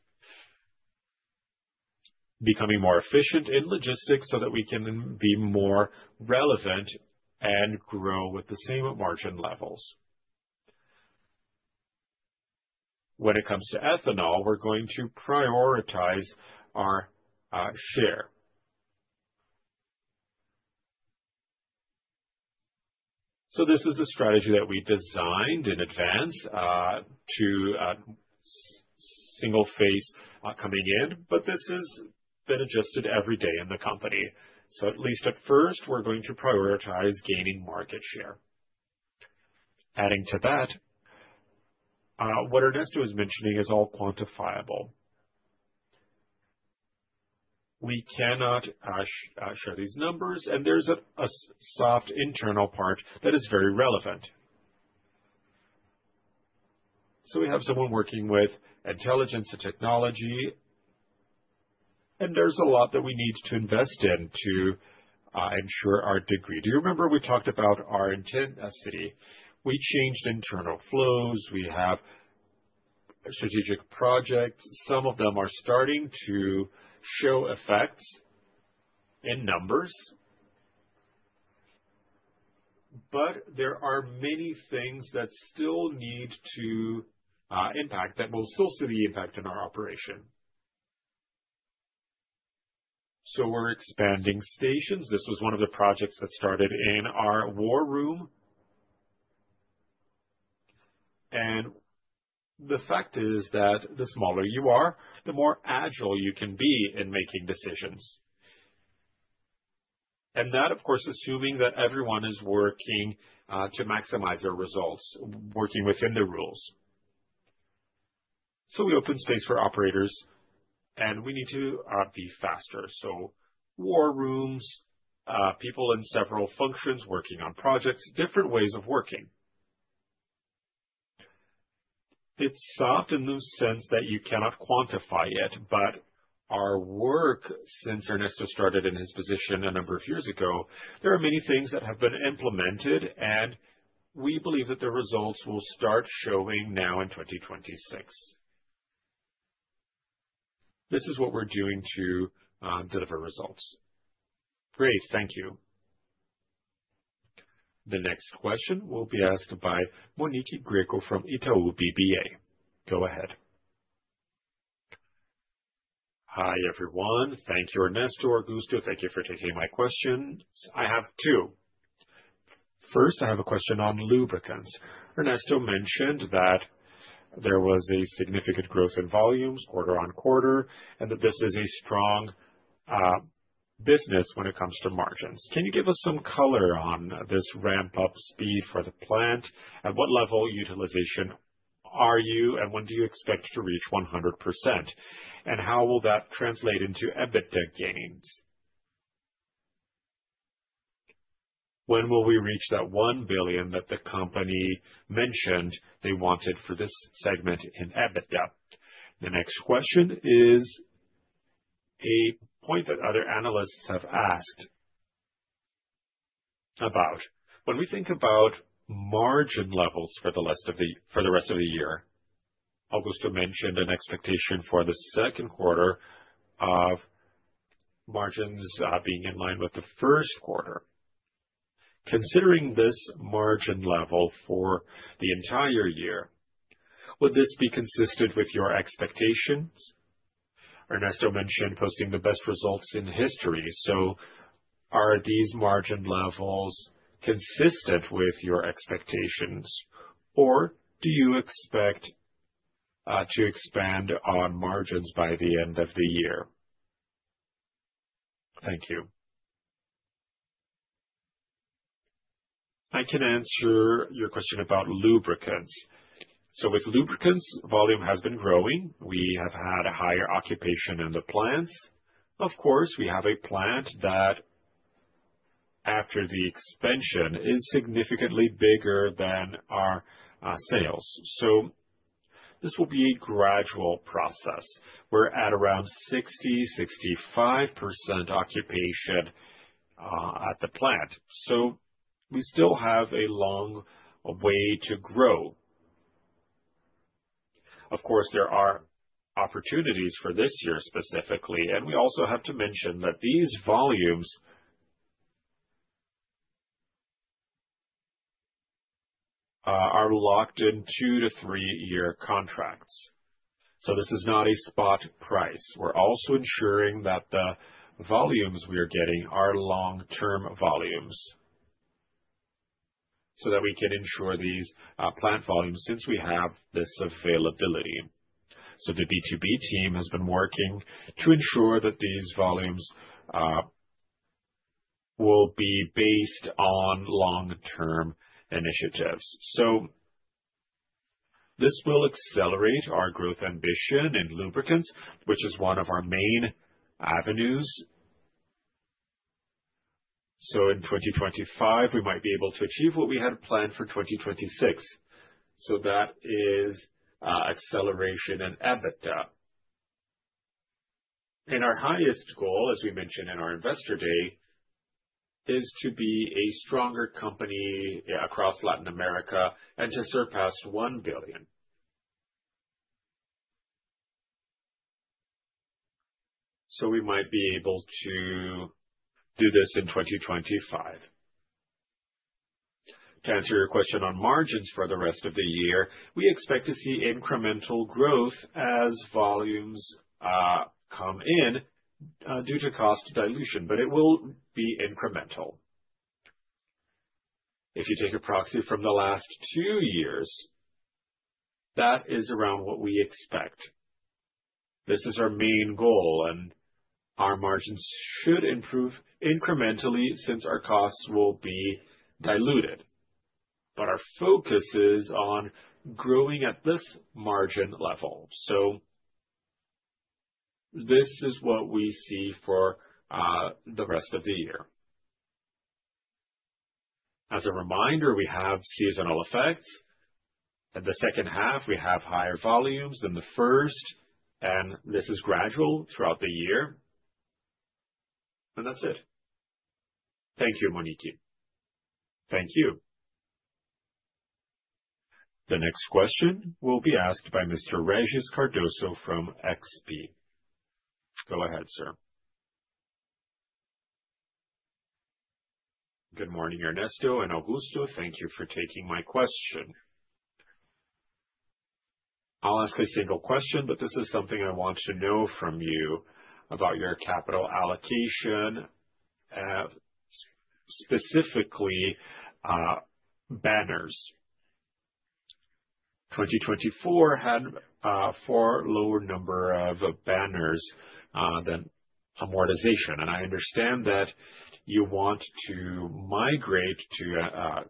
Speaker 2: becoming more efficient in logistics so that we can be more relevant and grow with the same margin levels. When it comes to ethanol, we are going to prioritize our share. This is a strategy that we designed in advance to single-phase coming in, but this has been adjusted every day in the company. At least at first, we're going to prioritize gaining market share.
Speaker 3: Adding to that, what Ernesto is mentioning is all quantifiable. We cannot share these numbers, and there's a soft internal part that is very relevant. We have someone working with intelligence and technology, and there's a lot that we need to invest in to ensure our degree. Do you remember we talked about our intensity? We changed internal flows. We have strategic projects. Some of them are starting to show effects in numbers, but there are many things that still need to impact that we'll still see the impact in our operation. We're expanding stations. This was one of the projects that started in our war room. The fact is that the smaller you are, the more agile you can be in making decisions. That, of course, assuming that everyone is working to maximize our results, working within the rules. We open space for operators, and we need to be faster. War rooms, people in several functions working on projects, different ways of working. It is soft in the sense that you cannot quantify it, but our work, since Ernesto started in his position a number of years ago, there are many things that have been implemented, and we believe that the results will start showing now in 2026. This is what we are doing to deliver results.
Speaker 7: Great. Thank you.
Speaker 1: The next question will be asked by Monique Greco from Itaú BBA. Go ahead.
Speaker 8: Hi, everyone. Thank you, Ernesto, Augusto. Thank you for taking my questions. I have two. First, I have a question on lubricants. Ernesto mentioned that there was a significant growth in volumes, quarter on quarter, and that this is a strong business when it comes to margins. Can you give us some color on this ramp-up speed for the plant? At what level utilization are you, and when do you expect to reach 100%? How will that translate into EBITDA gains? When will we reach that 1 billion that the company mentioned they wanted for this segment in EBITDA? The next question is a point that other analysts have asked about. When we think about margin levels for the rest of the year, Augusto mentioned an expectation for the second quarter of margins being in line with the first quarter. Considering this margin level for the entire year, would this be consistent with your expectations? Ernesto mentioned posting the best results in history. Are these margin levels consistent with your expectations, or do you expect to expand on margins by the end of the year? Thank you.
Speaker 2: I can answer your question about lubricants. With lubricants, volume has been growing. We have had a higher occupation in the plants. Of course, we have a plant that, after the expansion, is significantly bigger than our sales. This will be a gradual process. We are at around 60-65% occupation at the plant. We still have a long way to grow. There are opportunities for this year specifically. We also have to mention that these volumes are locked in two- to three-year contracts. This is not a spot price. We're also ensuring that the volumes we are getting are long-term volumes so that we can ensure these plant volumes since we have this availability. The D2B team has been working to ensure that these volumes will be based on long-term initiatives. This will accelerate our growth ambition in lubricants, which is one of our main avenues. In 2025, we might be able to achieve what we had planned for 2026. That is acceleration in EBITDA. Our highest goal, as we mentioned in our investor day, is to be a stronger company across Latin America and to surpass $1 billion. We might be able to do this in 2025. To answer your question on margins for the rest of the year, we expect to see incremental growth as volumes come in due to cost dilution, but it will be incremental. If you take a proxy from the last two years, that is around what we expect. This is our main goal, and our margins should improve incrementally since our costs will be diluted. Our focus is on growing at this margin level. This is what we see for the rest of the year.
Speaker 3: As a reminder, we have seasonal effects. In the second half, we have higher volumes than the first, and this is gradual throughout the year. That is it. Thank you, Monique.
Speaker 8: Thank you.
Speaker 1: The next question will be asked by Mr. Regis Cardoso from XP. Go ahead, sir.
Speaker 9: Good morning, Ernesto and Augusto. Thank you for taking my question. I'll ask a single question, but this is something I want to know from you about your capital allocation, specifically banners. 2024 had a far lower number of banners than amortization. I understand that you want to migrate to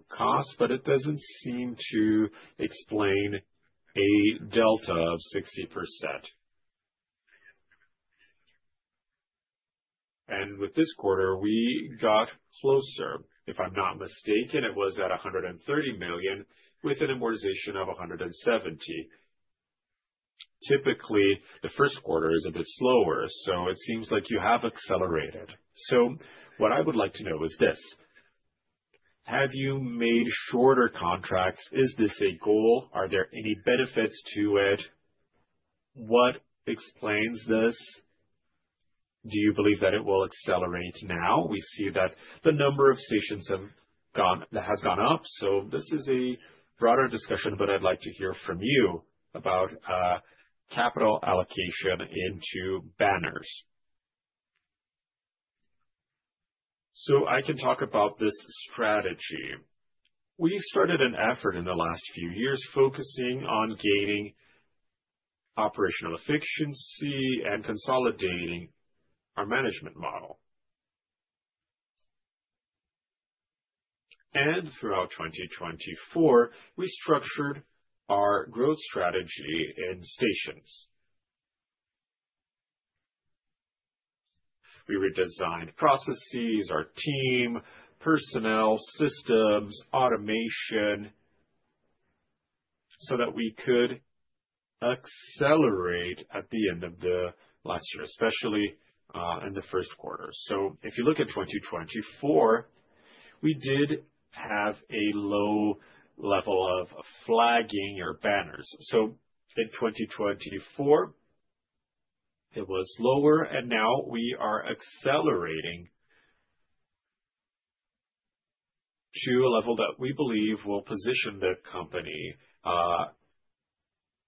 Speaker 9: cost, but it does not seem to explain a delta of 60%. With this quarter, we got closer. If I am not mistaken, it was at 130 million with an amortization of 170 million. Typically, the first quarter is a bit slower, so it seems like you have accelerated. What I would like to know is this: have you made shorter contracts? Is this a goal? Are there any benefits to it? What explains this? Do you believe that it will accelerate now? We see that the number of stations has gone up. This is a broader discussion, but I would like to hear from you about capital allocation into banners.
Speaker 2: I can talk about this strategy. We started an effort in the last few years focusing on gaining operational efficiency and consolidating our management model. Throughout 2024, we structured our growth strategy in stations. We redesigned processes, our team, personnel, systems, automation so that we could accelerate at the end of the last year, especially in the first quarter. If you look at 2024, we did have a low level of flagging or banners. In 2024, it was lower, and now we are accelerating to a level that we believe will position the company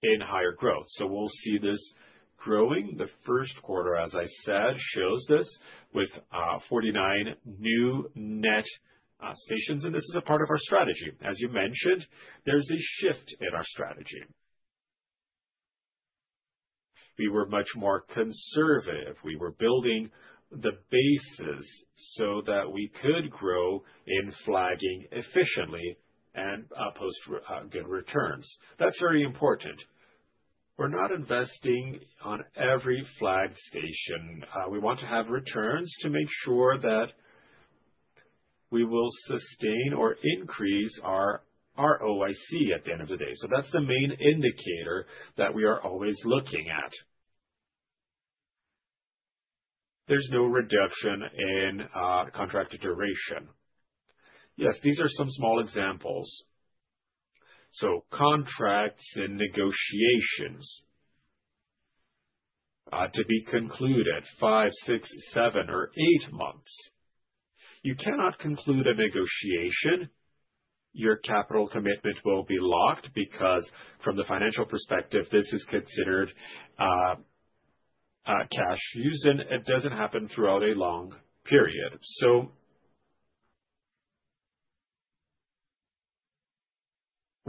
Speaker 2: in higher growth. We will see this growing. The first quarter, as I said, shows this with 49 new net stations, and this is a part of our strategy. As you mentioned, there is a shift in our strategy. We were much more conservative. We were building the bases so that we could grow in flagging efficiently and post good returns. That is very important. We are not investing on every flagged station. We want to have returns to make sure that we will sustain or increase our ROIC at the end of the day. That is the main indicator that we are always looking at. There is no reduction in contract duration.
Speaker 3: Yes, these are some small examples. Contracts and negotiations to be concluded five, six, seven, or eight months. You cannot conclude a negotiation. Your capital commitment will be locked because, from the financial perspective, this is considered cash use, and it does not happen throughout a long period.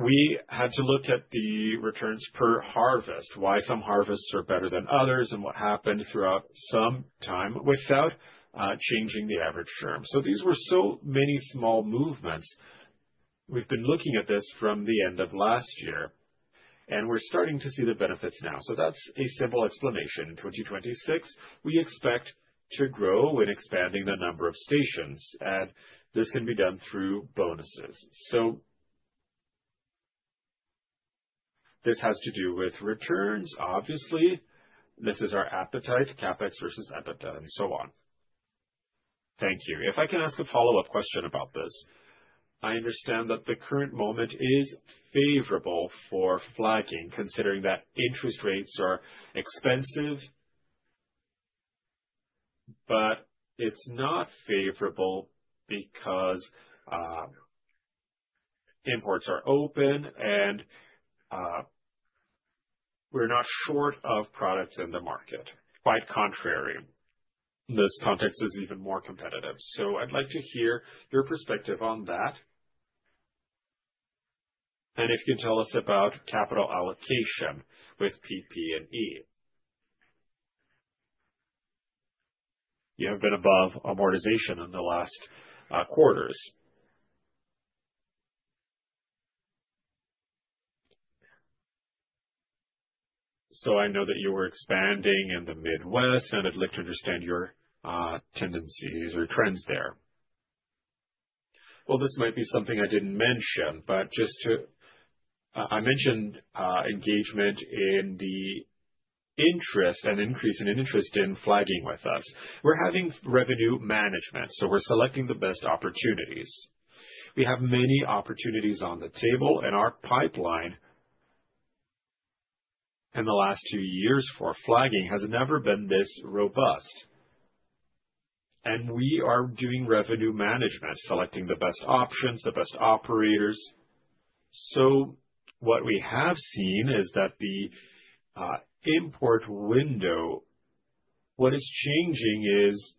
Speaker 3: We had to look at the returns per harvest, why some harvests are better than others, and what happened throughout some time without changing the average term. These were so many small movements. We have been looking at this from the end of last year, and we are starting to see the benefits now. That is a simple explanation. In 2026, we expect to grow when expanding the number of stations, and this can be done through bonuses. This has to do with returns, obviously. This is our appetite, CapEx versus EBITDA, and so on.
Speaker 9: Thank you. If I can ask a follow-up question about this, I understand that the current moment is favorable for flagging, considering that interest rates are expensive, but it is not favorable because imports are open and we are not short of products in the market. Quite the contrary. This context is even more competitive. I would like to hear your perspective on that. If you can tell us about capital allocation with PP&E. You have been above amortization in the last quarters. I know that you were expanding in the Midwest, and I would like to understand your tendencies or trends there.
Speaker 2: This might be something I did not mention, but just to, I mentioned engagement in the interest and increase in interest in flagging with us. We are having revenue management, so we are selecting the best opportunities. We have many opportunities on the table, and our pipeline in the last two years for flagging has never been this robust. We are doing revenue management, selecting the best options, the best operators. What we have seen is that the import window, what is changing is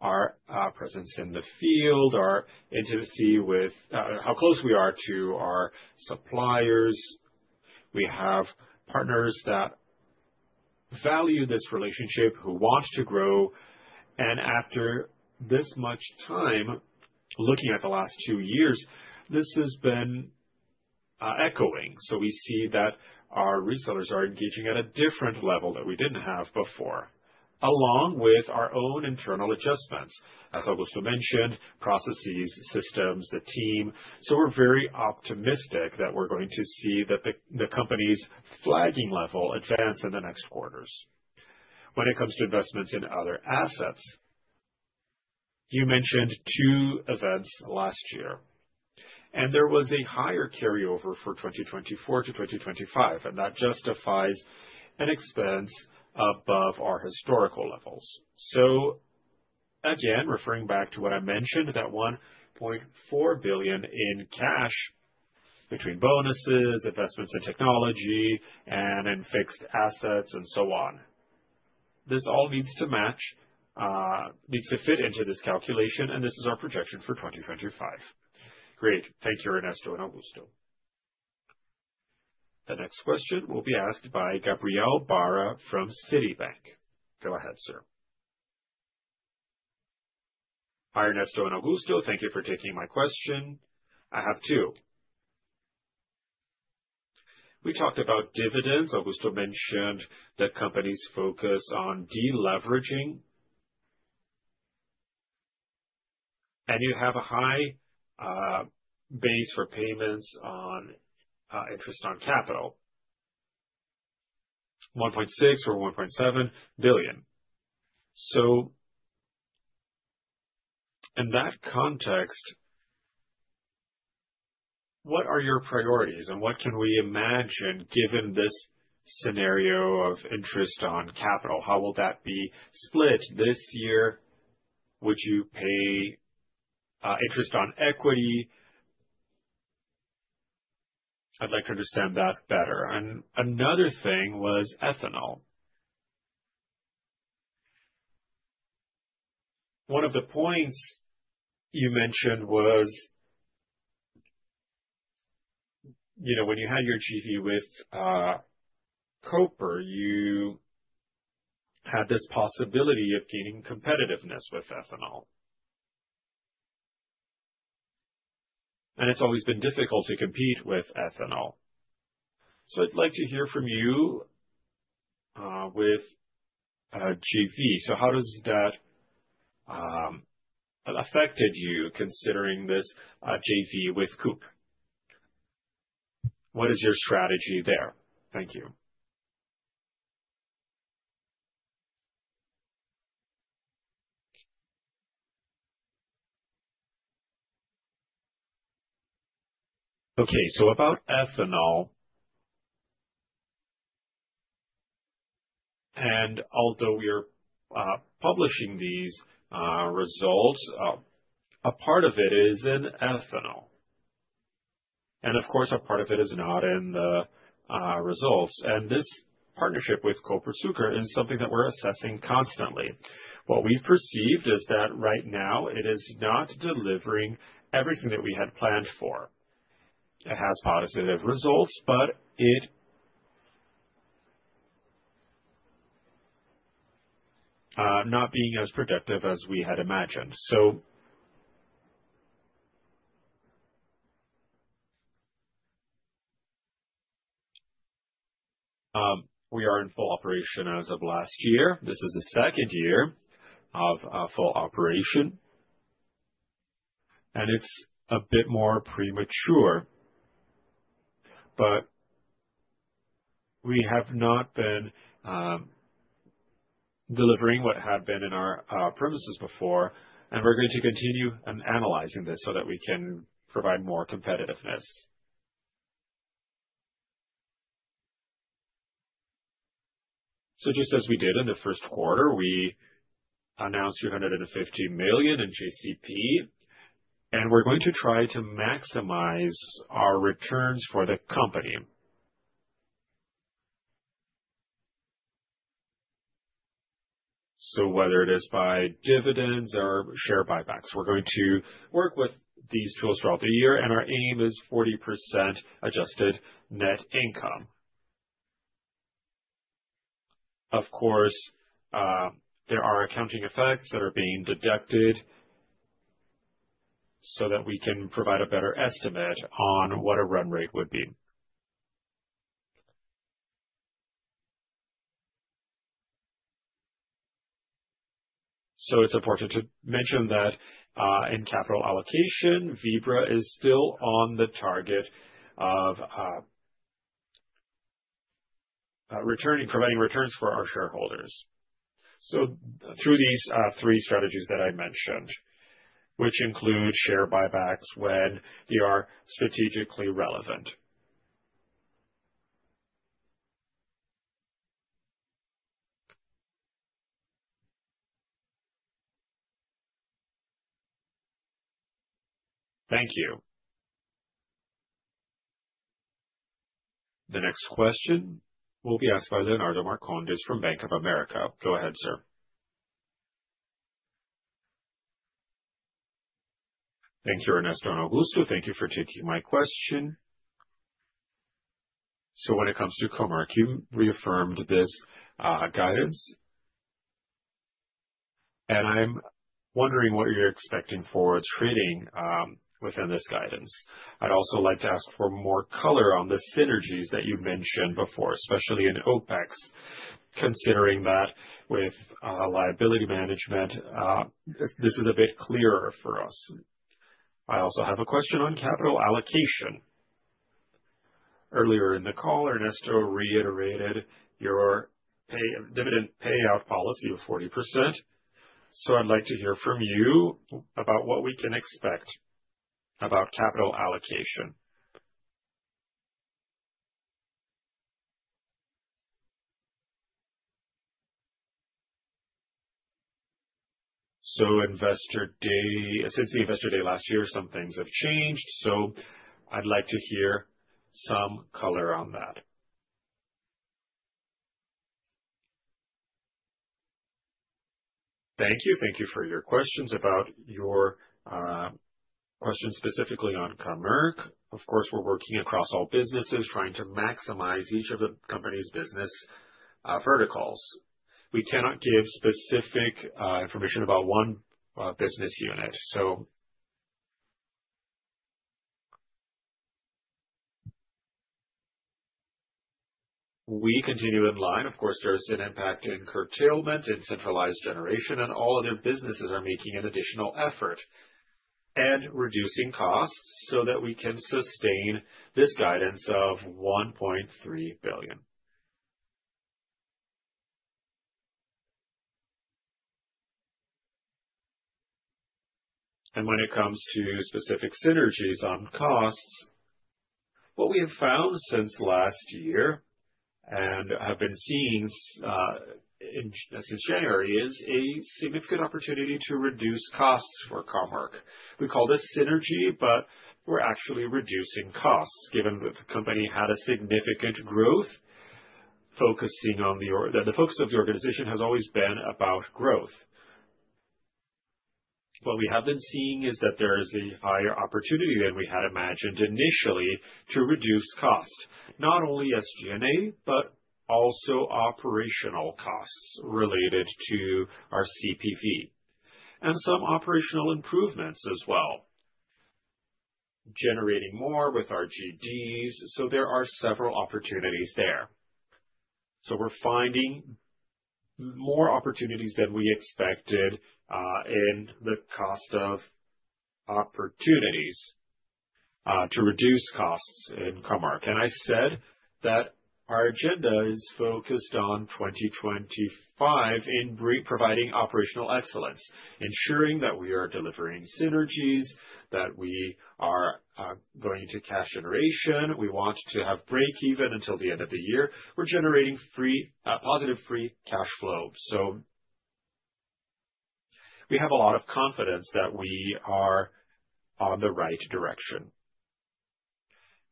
Speaker 2: our presence in the field, our intimacy with how close we are to our suppliers. We have partners that value this relationship, who want to grow. After this much time looking at the last two years, this has been echoing. We see that our resellers are engaging at a different level that we did not have before, along with our own internal adjustments, as Augusto mentioned, processes, systems, the team. We are very optimistic that we are going to see the company's flagging level advance in the next quarters.
Speaker 3: When it comes to investments in other assets, you mentioned two events last year, and there was a higher carryover for 2024 to 2025, and that justifies an expense above our historical levels. Again, referring back to what I mentioned, that 1.4 billion in cash between bonuses, investments in technology, and in fixed assets, and so on. This all needs to match, needs to fit into this calculation, and this is our projection for 2025.
Speaker 9: Great. Thank you, Ernesto and Augusto.
Speaker 1: The next question will be asked by Gabriel Barra from Citibank. Go ahead, sir.
Speaker 10: Hi, Ernesto and Augusto. Thank you for taking my question. I have two. We talked about dividends. Augusto mentioned that companies focus on deleveraging, and you have a high base for payments on interest on capital, 1.6 billion or BRL 1.7 billion. In that context, what are your priorities, and what can we imagine given this scenario of interest on capital? How will that be split? This year, would you pay interest on equity? I'd like to understand that better. Another thing was ethanol. One of the points you mentioned was when you had your JV with Copersucar, you had this possibility of gaining competitiveness with ethanol. It's always been difficult to compete with ethanol. I'd like to hear from you with JV. How does that affect you considering this JV with Copersucar? What is your strategy there? Thank you.
Speaker 2: Okay. About ethanol, and although we are publishing these results, a part of it is in ethanol. Of course, a part of it is not in the results. This partnership with Copersucar is something that we're assessing constantly. What we've perceived is that right now, it is not delivering everything that we had planned for. It has positive results, but it's not being as productive as we had imagined. We are in full operation as of last year. This is the second year of full operation. It's a bit more premature, but we have not been delivering what had been in our premises before. We're going to continue analyzing this so that we can provide more competitiveness.
Speaker 3: Just as we did in the first quarter, we announced 350 million in JCP, and we're going to try to maximize our returns for the company. Whether it is by dividends or share buybacks, we're going to work with these tools throughout the year, and our aim is 40% adjusted net income. Of course, there are accounting effects that are being deducted so that we can provide a better estimate on what a run rate would be. It is important to mention that in capital allocation, Vibra is still on the target of providing returns for our shareholders. Through these three strategies that I mentioned, which include share buybacks when they are strategically relevant.
Speaker 10: Thank you.
Speaker 1: The next question will be asked by Leonardo Marcondes from Bank of America. Go ahead, sir.
Speaker 11: Thank you, Ernesto and Augusto. Thank you for taking my question. When it comes to Comerc, you reaffirmed this guidance, and I'm wondering what you're expecting for trading within this guidance. I'd also like to ask for more color on the synergies that you mentioned before, especially in OpEx, considering that with liability management, this is a bit clearer for us. I also have a question on capital allocation. Earlier in the call, Ernesto reiterated your dividend payout policy of 40%. So I'd like to hear from you about what we can expect about capital allocation. Since the investor day last year, some things have changed. I'd like to hear some color on that. Thank you.
Speaker 2: Thank you for your questions. About your questions specifically on Comerc, of course, we're working across all businesses, trying to maximize each of the company's business verticals. We cannot give specific information about one business unit. We continue in line. Of course, there's an impact in curtailment and centralized generation, and all other businesses are making an additional effort and reducing costs so that we can sustain this guidance of $1.3 billion. When it comes to specific synergies on costs, what we have found since last year and have been seeing since January is a significant opportunity to reduce costs for Comerc. We call this synergy, but we're actually reducing costs given that the company had a significant growth. Focusing on the focus of the organization has always been about growth. What we have been seeing is that there is a higher opportunity than we had imagined initially to reduce costs, not only SG&A, but also operational costs related to our CPV and some operational improvements as well, generating more with our GDs. There are several opportunities there. We're finding more opportunities than we expected in the cost of opportunities to reduce costs in Comerc. I said that our agenda is focused on 2025 in providing operational excellence, ensuring that we are delivering synergies, that we are going to cash generation. We want to have breakeven until the end of the year. We're generating positive free cash flow. We have a lot of confidence that we are on the right direction.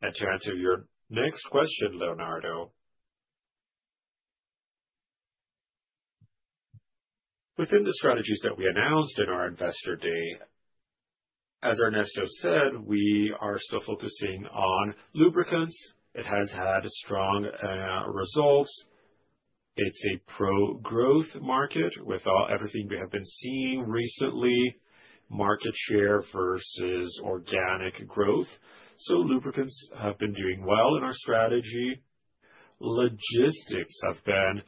Speaker 3: To answer your next question, Leonardo, within the strategies that we announced in our investor day, as Ernesto said, we are still focusing on lubricants. It has had strong results. It's a pro-growth market with everything we have been seeing recently, market share versus organic growth. Lubricants have been doing well in our strategy. Logistics have been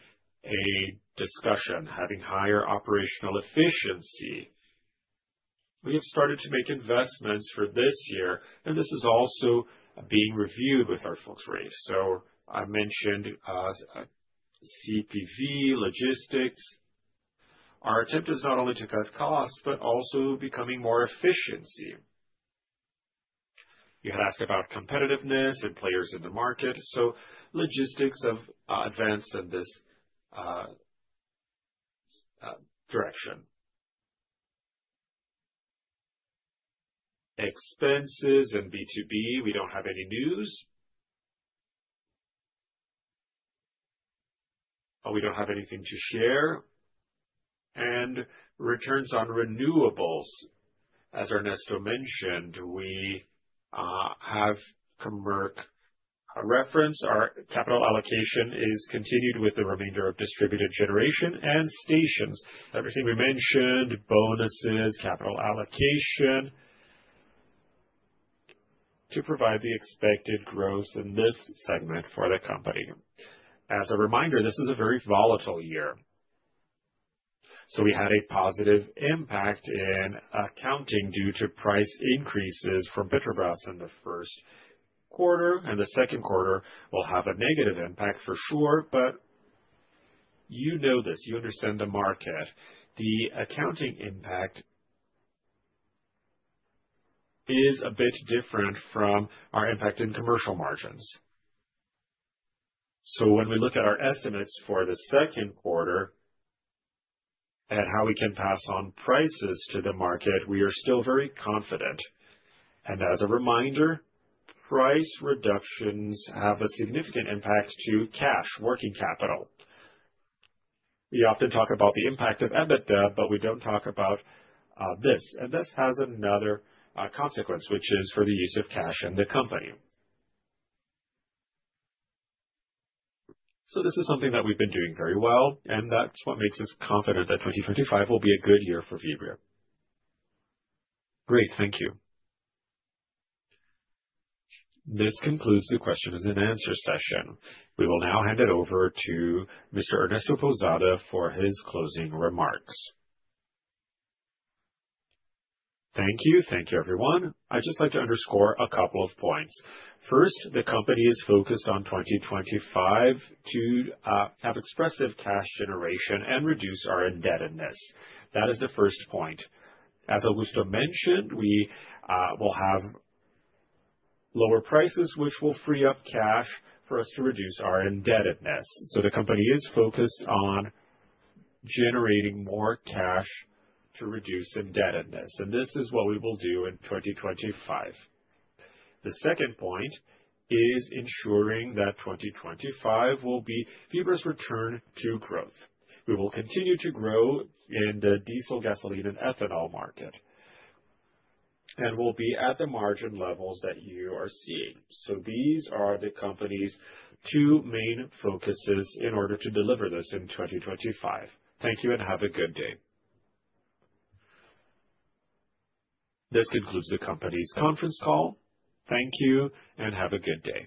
Speaker 3: a discussion, having higher operational efficiency. We have started to make investments for this year, and this is also being reviewed with our folks rate. I mentioned CPV, logistics. Our attempt is not only to cut costs, but also becoming more efficient. You had asked about competitiveness and players in the market. Logistics have advanced in this direction. Expenses and B2B, we do not have any news. We do not have anything to share. Returns on renewables, as Ernesto mentioned, we have Comerc reference. Our capital allocation is continued with the remainder of distributed generation and stations. Everything we mentioned, bonuses, capital allocation to provide the expected growth in this segment for the company. As a reminder, this is a very volatile year. We had a positive impact in accounting due to price increases from Petrobras in the first quarter, and the second quarter will have a negative impact for sure. You know this. You understand the market. The accounting impact is a bit different from our impact in commercial margins. When we look at our estimates for the second quarter and how we can pass on prices to the market, we are still very confident. As a reminder, price reductions have a significant impact to cash, working capital. We often talk about the impact of EBITDA, but we do not talk about this. This has another consequence, which is for the use of cash in the company. This is something that we have been doing very well, and that is what makes us confident that 2025 will be a good year for Vibra Energia.
Speaker 11: Great. Thank you.
Speaker 1: This concludes the questions and answers session. We will now hand it over to Mr. Ernesto Pousada for his closing remarks.
Speaker 2: Thank you. Thank you, everyone. I'd just like to underscore a couple of points. First, the company is focused on 2025 to have expressive cash generation and reduce our indebtedness. That is the first point. As Augusto mentioned, we will have lower prices, which will free up cash for us to reduce our indebtedness. The company is focused on generating more cash to reduce indebtedness. This is what we will do in 2025. The second point is ensuring that 2025 will be Vibra's return to growth. We will continue to grow in the diesel, gasoline, and ethanol market and will be at the margin levels that you are seeing. These are the company's two main focuses in order to deliver this in 2025. Thank you and have a good day.
Speaker 1: This concludes the company's conference call. Thank you and have a good day.